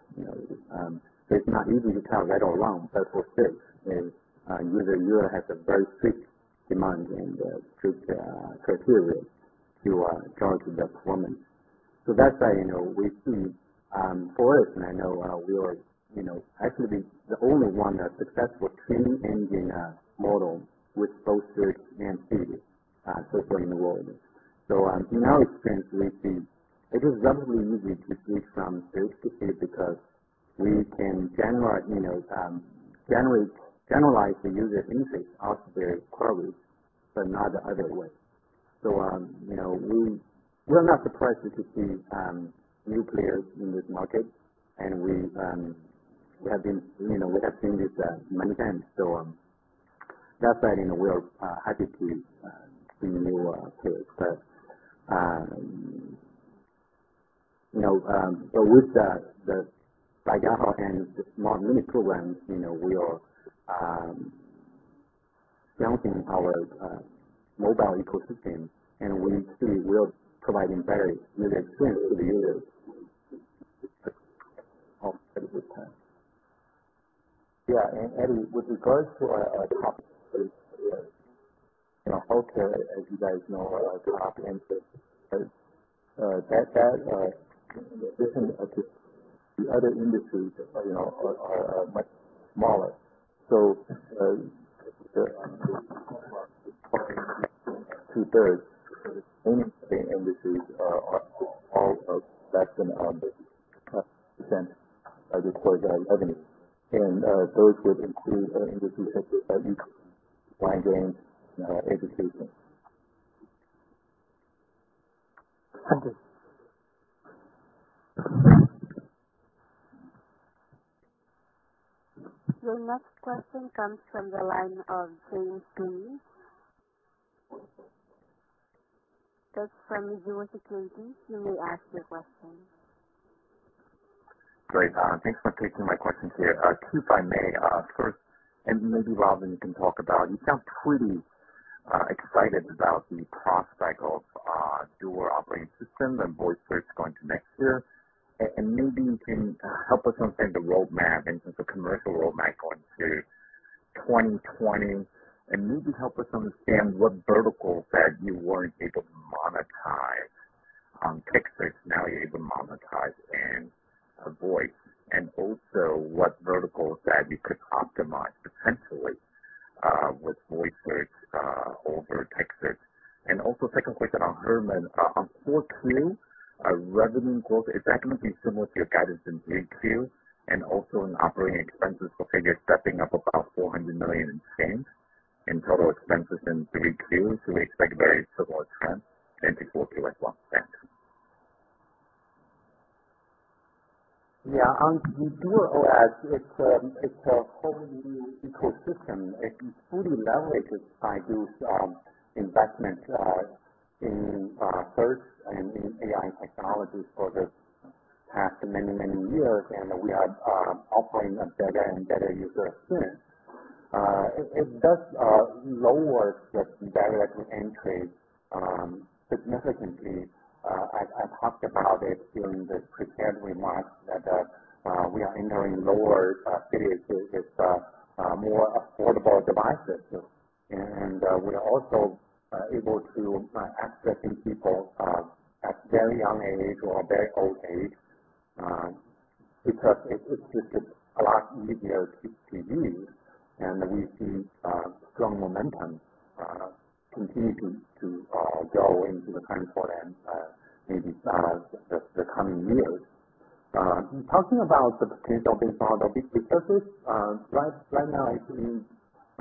It's not easy to tell right or wrong. For search, a user has a very strict demand and strict criteria to judge the performance. That's why we see, for us, and I know we are actually the only one successful training engine model with both search and feed so far in the world. In our experience, we see it is relatively easy to switch from search to feed because we can generalize the user interest out of the queries, but not the other way. We're not surprised to see new players in this market, and we have seen this many times. That's why we're happy to see new players. With the Baidu and the Smart Mini Programs, we are strengthening our mobile ecosystem, and we see we are providing very good experience to the users at this point. Yeah. Eddie, with regards to our top healthcare, as you guys know, is a top interest. The other industries are much smaller. Two-thirds of industries are all less than 1% of the total revenue, and those that include industries such as finance and education. Thank you. Your next question comes from the line of James Lee. That's from UBS Securities. You may ask your question. Great. Thanks for taking my questions here. Two, if I may. First, Robin, you can talk about, you sound pretty excited about the cross-cycle dual operating system and voice search going to next year. Maybe you can help us understand the roadmap in terms of commercial roadmap going to 2020, maybe help us understand what verticals that you weren't able to monetize on text search now you're able to monetize in voice, also what verticals that you could optimize potentially with voice search over text search. Also second question on Herman, on 4Q, revenue growth, is that going to be similar to your guidance in 3Q? Also in operating expenses, because you're stepping up about 400 million in games and total expenses in 3Q. We expect very similar expense in 4Q as well. Thanks. On the DuerOS, it's a whole new ecosystem. It's fully leveraged by those investments in search and in AI technologies for the past many, many years, and we are offering a better and better user experience. It does lower this barrier to entry significantly. I talked about it during the prepared remarks that we are entering lower cities with more affordable devices. We are also able to accessing people at very young age or very old age, because it's just a lot easier to use. We see strong momentum continue to grow into the time for maybe the coming years. Talking about the potential based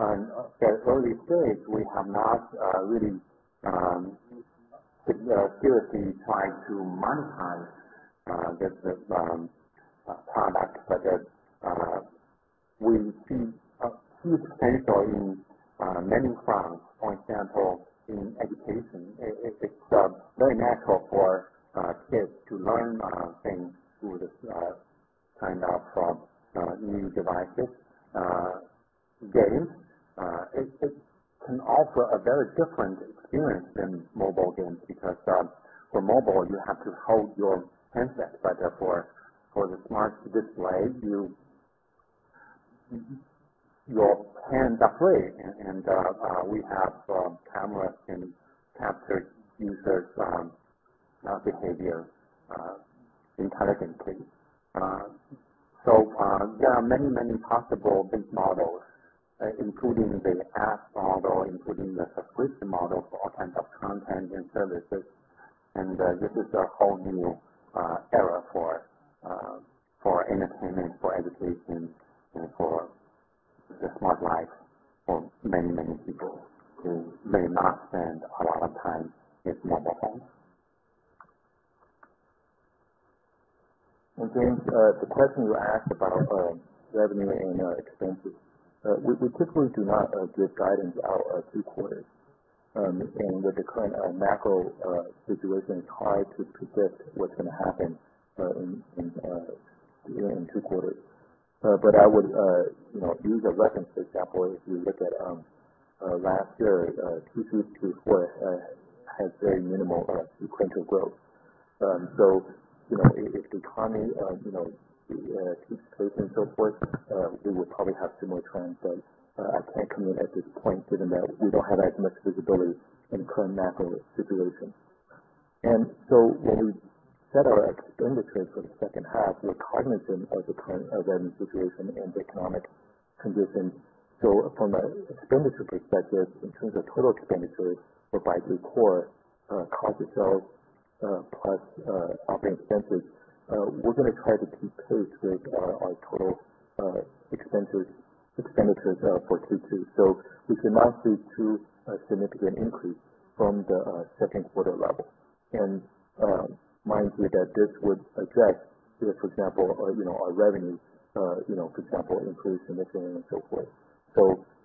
on the big successes, right now it's in an very early stage. We are seriously trying to monetize this product, we see a huge potential in many fronts. For example, in education, it's very natural for kids to learn things through the kind of new devices. Games, it can offer a very different experience than mobile games, because for mobile, you have to hold your handset, but therefore for the smart display, your hands are free, and we have cameras can capture users' behavior intelligently. There are many possible biz models, including the app model, including the subscription model for all kinds of content and services. This is a whole new era for entertainment, for education, and for the smart life of many people who may not spend a lot of time with mobile phones. James, the question you asked about revenue and expenses. We typically do not give guidance out two quarters. With the current macro situation, it's hard to predict what's going to happen in two quarters. I would use a reference, for example, if you look at last year, Q2 to Q4 had very minimal sequential growth. If the economy keeps pace and so forth, we will probably have similar trends, but I can't comment at this point given that we don't have as much visibility in current macro situation. When we set our expenditures for the second half, we're cognizant of the current revenue situation and the economic condition. From an expenditure perspective, in terms of total expenditures for Baidu Core, cost of sales plus operating expenses, we're going to try to keep pace with our total expenditures for Q2. We cannot see too significant increase from the second quarter level. Mind you that this would adjust if, for example, our revenue, for example, improves significantly and so forth.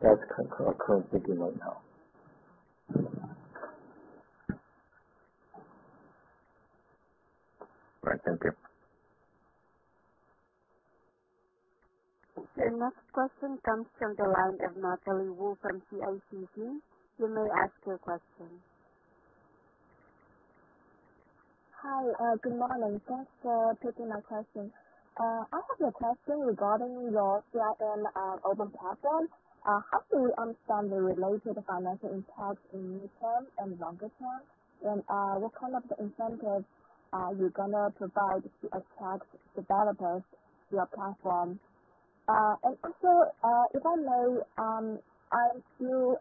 That's our current thinking right now. Right. Thank you. The next question comes from the line of Natalie Wu from CICC. You may ask your question. Hi, good morning. Thanks for taking my question. I have a question regarding your CRM open platform. How do we understand the related financial impact in near term and longer term? What kind of incentives are you going to provide to attract developers to your platform? If I may, I am still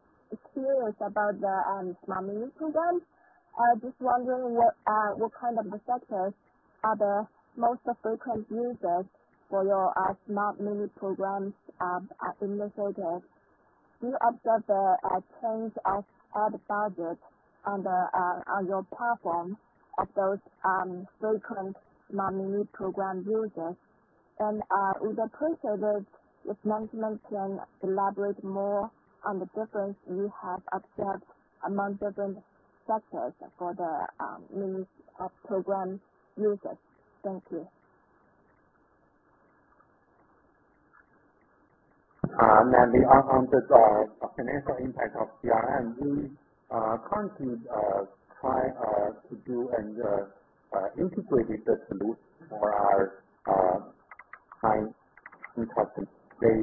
curious about the Smart Mini Programs. Just wondering what kind of sectors are the most frequent users for your Smart Mini Programs administrators. Do you observe the change of ad budget on your platform of those frequent Smart Mini Program users? It would appreciated if management can elaborate more on the difference you have observed among different sectors for the Mini Program users. Thank you. Natalie, on the financial impact of CRM, we currently try to do and integrate with the solution for our clients and customers. They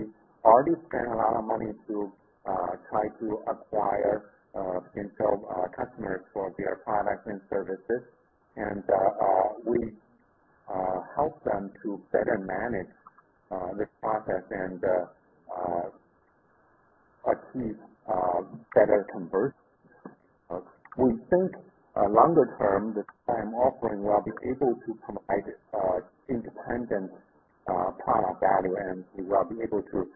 already spend a lot of money to try to acquire potential customers for their products and services, and we help them to better manage this process and achieve better conversion. We think longer term, this CRM offering will be able to provide independent product value, and we will be able to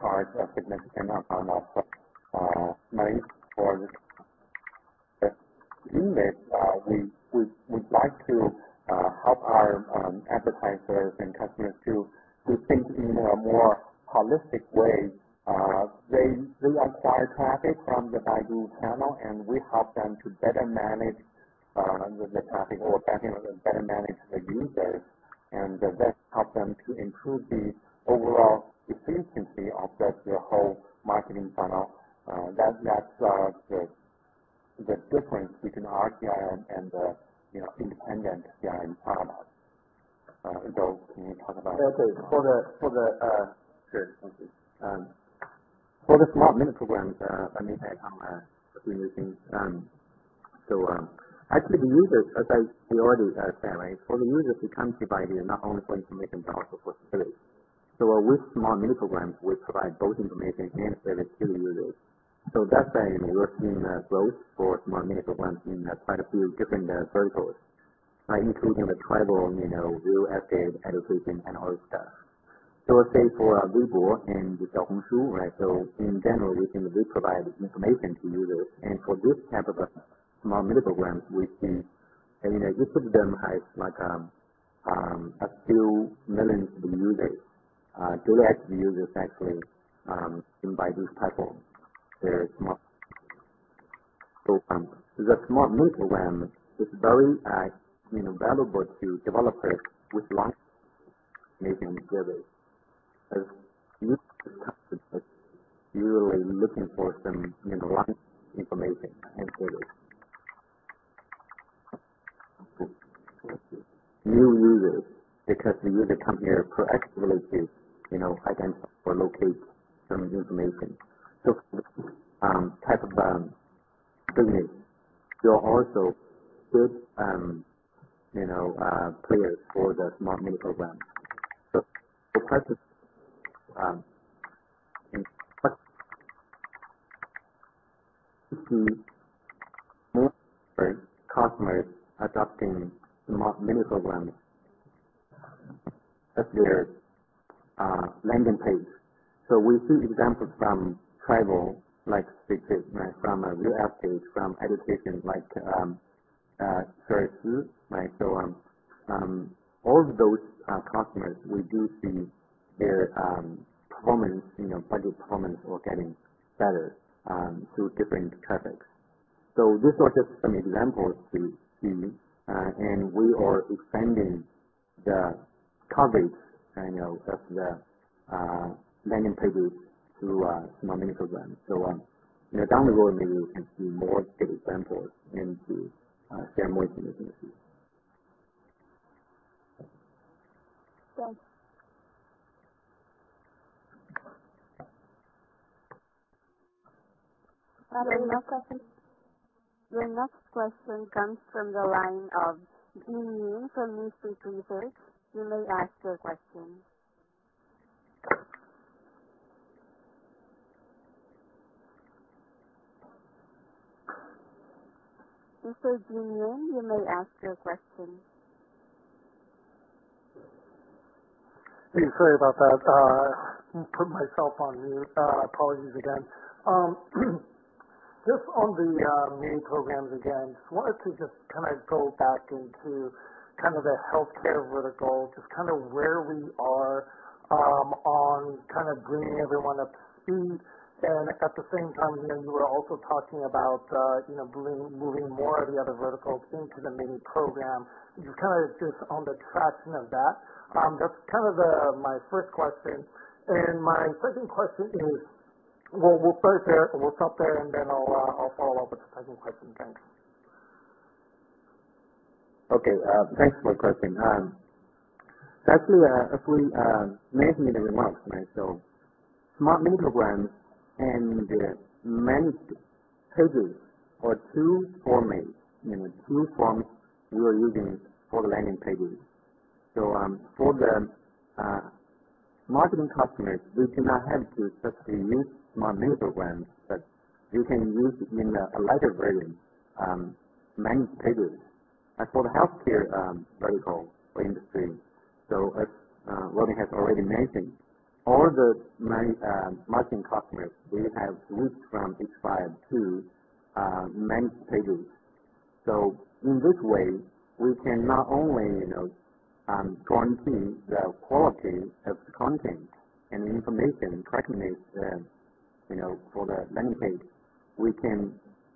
charge a significant amount of money for this. To do this, we'd like to help our advertisers and customers to think in a more holistic way. They usually acquire traffic from the Baidu channel, and we help them to better manage the traffic or better manage the users, and that helps them to improve the overall efficiency of their whole marketing funnel. That's the difference between our CRM and the independent CRM products. Dou, can you talk about. Okay. For the Smart Mini Programs, let me take on a few new things. Actually, the users, as I already said, for the users who come to Baidu, not only for information but also for service. With Smart Mini Programs, we provide both information and service to the users. That's why we're seeing a growth for Smart Mini Programs in quite a few different verticals. Right, including the travel, real estate, education, and all that stuff. say for weibo, right? In general, we can do provide information to users. For this type of a Smart Mini Program, we see usage of them has a few millions of users. Daily active users, actually, in Baidu's platform, their Smart Mini Program. The Smart Mini Program is very valuable to developers with launch information and data as users are constantly just really looking for some launch information and data. New users, because the users come here for actually to identify or locate some information. For this type of business, they're also good players for the Smart Mini Programs. We see more customers adopting Smart Mini Programs as their landing page. We see examples from travel-like services, from real estate, from education, like, right? All of those customers, we do see their performance, project performance are getting better through different traffics. These are just some examples we see, and we are expanding the coverage of the landing pages through Smart Mini Programs. Down the road, maybe we can see more good examples into sharing with the community. Thanks. Your next question comes from the line of Jerry Yong from UBS. You may ask your question. Mr. Jerry Yong, you may ask your question. Hey, sorry about that. Put myself on mute. Apologies again. Just on the Mini Programs again, wanted to go back into the healthcare vertical, where we are on bringing everyone up to speed. At the same time, you were also talking about moving more of the other verticals into the Mini Program. On the traction of that. That's my first question. We'll start there. We'll stop there. I'll follow up with the second question. Thanks. Okay. Thanks for the question. Actually, as we mentioned in the remarks, right? Smart Mini Programs and the Managed Pages are two formats we are using for the landing pages. For the marketing customers, you do not have to specifically use Smart Mini Programs, but you can use it in a lighter version, Managed Pages. As for the healthcare vertical or industry, as Robin has already mentioned, all the marketing customers, we have moved from H5 to Managed Pages. In this way, we can not only guarantee the quality of the content and the information, correctness for the landing page, we can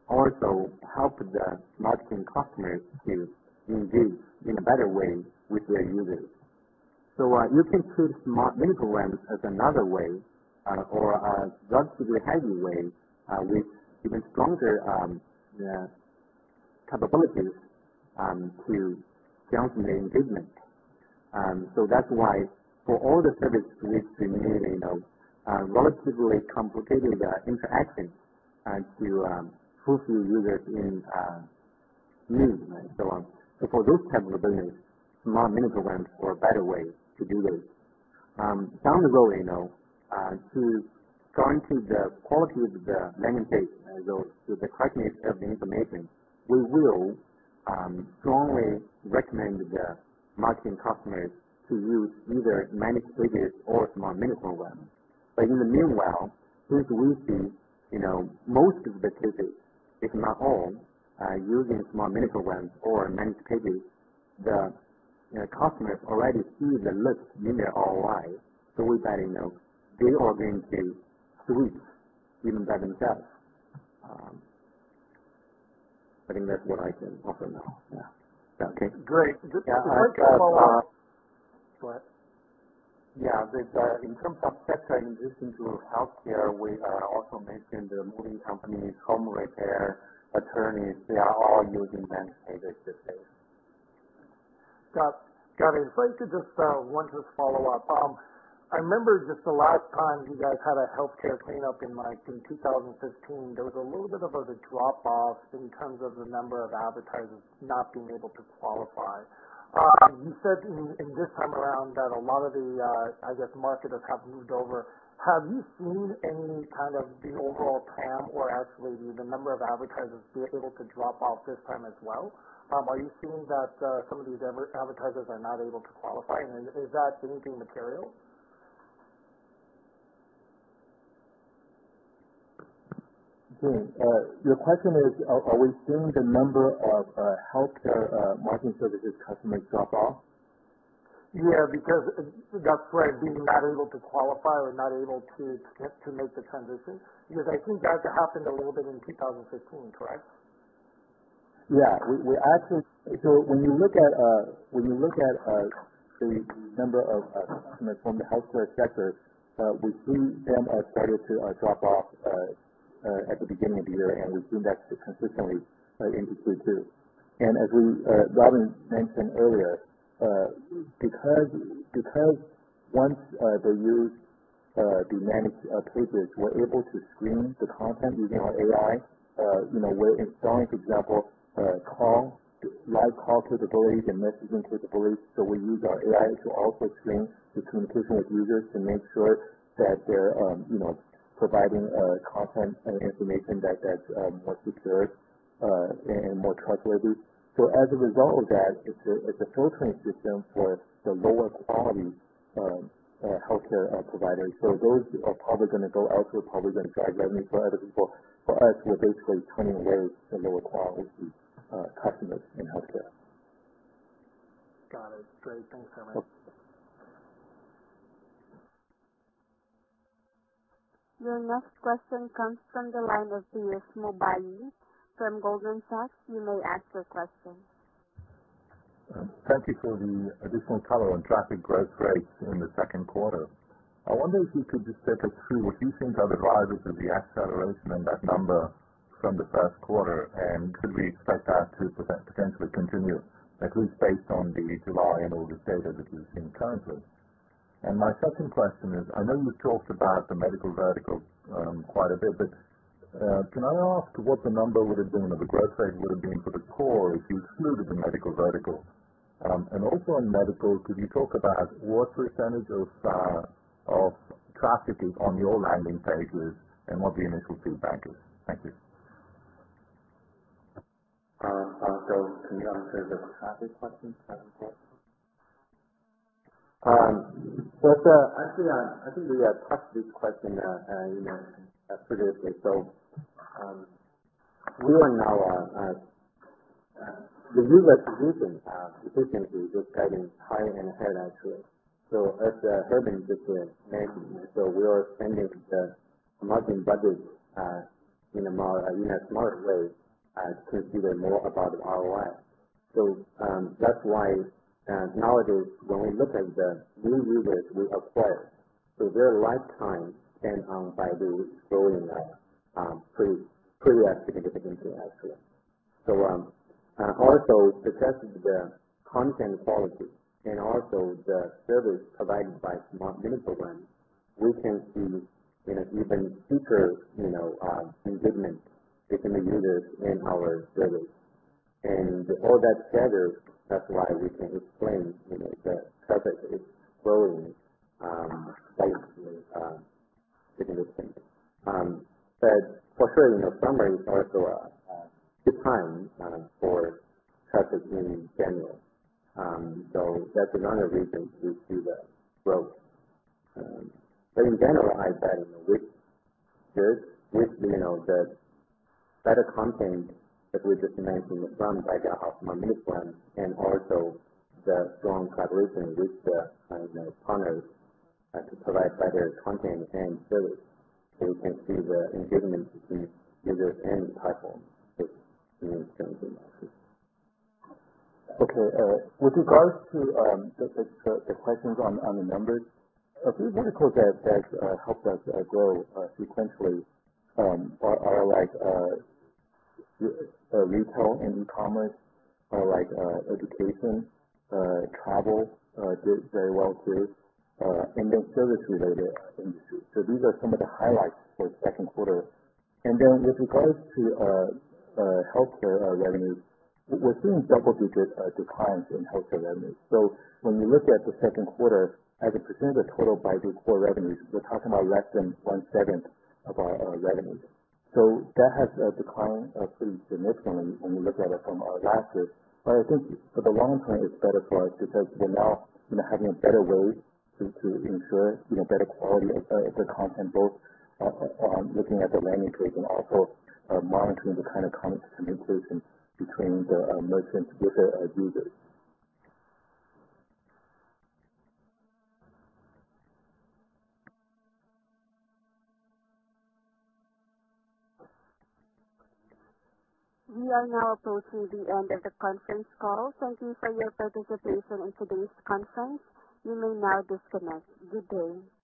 also help the marketing customers to engage in a better way with their users. You can put Smart Mini Programs as another way or a relatively heavy way with even stronger capabilities to guarantee the engagement. That's why for all the services which we may know are relatively complicated interactions to prove to users in use and so on. For those types of business, Smart Mini Programs are a better way to do this. Down the road, to guarantee the quality of the landing page, as well as the correctness of the information, we will strongly recommend the marketing customers to use either Managed Pages or Smart Mini Programs. In the meanwhile, since we see most of the cases, if not all, using Smart Mini Programs or Managed Pages, the customers already see the lift in their ROI. We believe they will then stay sweet even by themselves. I think that's what I can offer now. Yeah. Okay. Great. Yeah. Go ahead. Yeah. In terms of sector in addition to healthcare, we are also making the moving companies, home repair, attorneys, they are all using Managed Pages these days. Got it. One just follow up. I remember just the last time you guys had a healthcare clean up in, like, in 2015, there was a little bit of a drop-off in terms of the number of advertisers not being able to qualify. You said in this time around that a lot of the marketers have moved over. Have you seen the overall TAM, or actually the number of advertisers be able to drop off this time as well? Are you seeing that some of these advertisers are not able to qualify, and is that anything material? Jerry, your question is, are we seeing the number of healthcare marketing services customers drop off? Yeah. That's right. Being not able to qualify or not able to make the transition, because I think that happened a little bit in 2015, correct? Yeah. When you look at the number of customers from the healthcare sector, we see them started to drop off at the beginning of the year, and we've seen that consistently into Q2. As Robin mentioned earlier, because once they use Managed Pages, we're able to screen the content using our AI. We're installing, for example, live call capabilities and messaging capabilities. We use our AI to also screen the communication with users to make sure that they're providing content and information that's more secure and more trustworthy. As a result of that, it's a filtering system for the lower quality healthcare providers. Those are probably going to go elsewhere, probably going to drive revenue for other people. For us, we're basically turning away the lower quality customers in healthcare. Got it. Great. Thanks so much. Your next question comes from the line of Piyush Mubayi from Goldman Sachs. You may ask your question. Thank you for the additional color on traffic growth rates in the second quarter. I wonder if you could just take us through what you think are the drivers of the acceleration in that number from the first quarter. Could we expect that to potentially continue, at least based on the July and August data that we've seen currently? My second question is, I know you've talked about the medical vertical quite a bit, but can I ask what the number would have been or the growth rate would have been for the Baidu Core if you excluded the medical vertical? Also on medical, could you talk about what % of traffic is on your Managed Pages and what the initial feedback is? Thank you. Can you answer the traffic question first? Actually, I think we have touched this question previously. The user acquisition efficiency is getting higher and higher actually. As Robin just mentioned, we are spending the marketing budget in a smarter way to see more about ROI. That's why nowadays, when we look at the new users we acquire, their lifetime spend on Baidu is growing at pretty significant increase actually. Also because of the content quality and also the service provided by Smart Mini Programs, we can see even super engagement between the users and our service. All that together, that's why we can explain the traffic is growing significantly. For sure, summer is also a good time for traffic in general. That's another reason we see the growth. In general, I'd say with the better content that we just mentioned, run by the Smart Mini Programs and also the strong collaboration with the partners to provide better content and service, we can see the engagement between users and the platform is generally increasing. Okay. With regards to the questions on the numbers, a few verticals that helped us grow sequentially are retail and e-commerce. Education, travel did very well, too. Service-related industries. These are some of the highlights for second quarter. With regards to healthcare revenue, we're seeing double-digit declines in healthcare revenue. When you look at the second quarter as a percentage of total Baidu Core revenues, we're talking about less than one-seventh of our revenue. That has declined pretty significantly when we look at it from last year. I think for the long term, it's better for us because we're now having a better way to ensure better quality of the content, both looking at the landing page and also monitoring the kind of communication between the merchants with the users. We are now approaching the end of the conference call. Thank you for your participation in today's conference. You may now disconnect. Good day.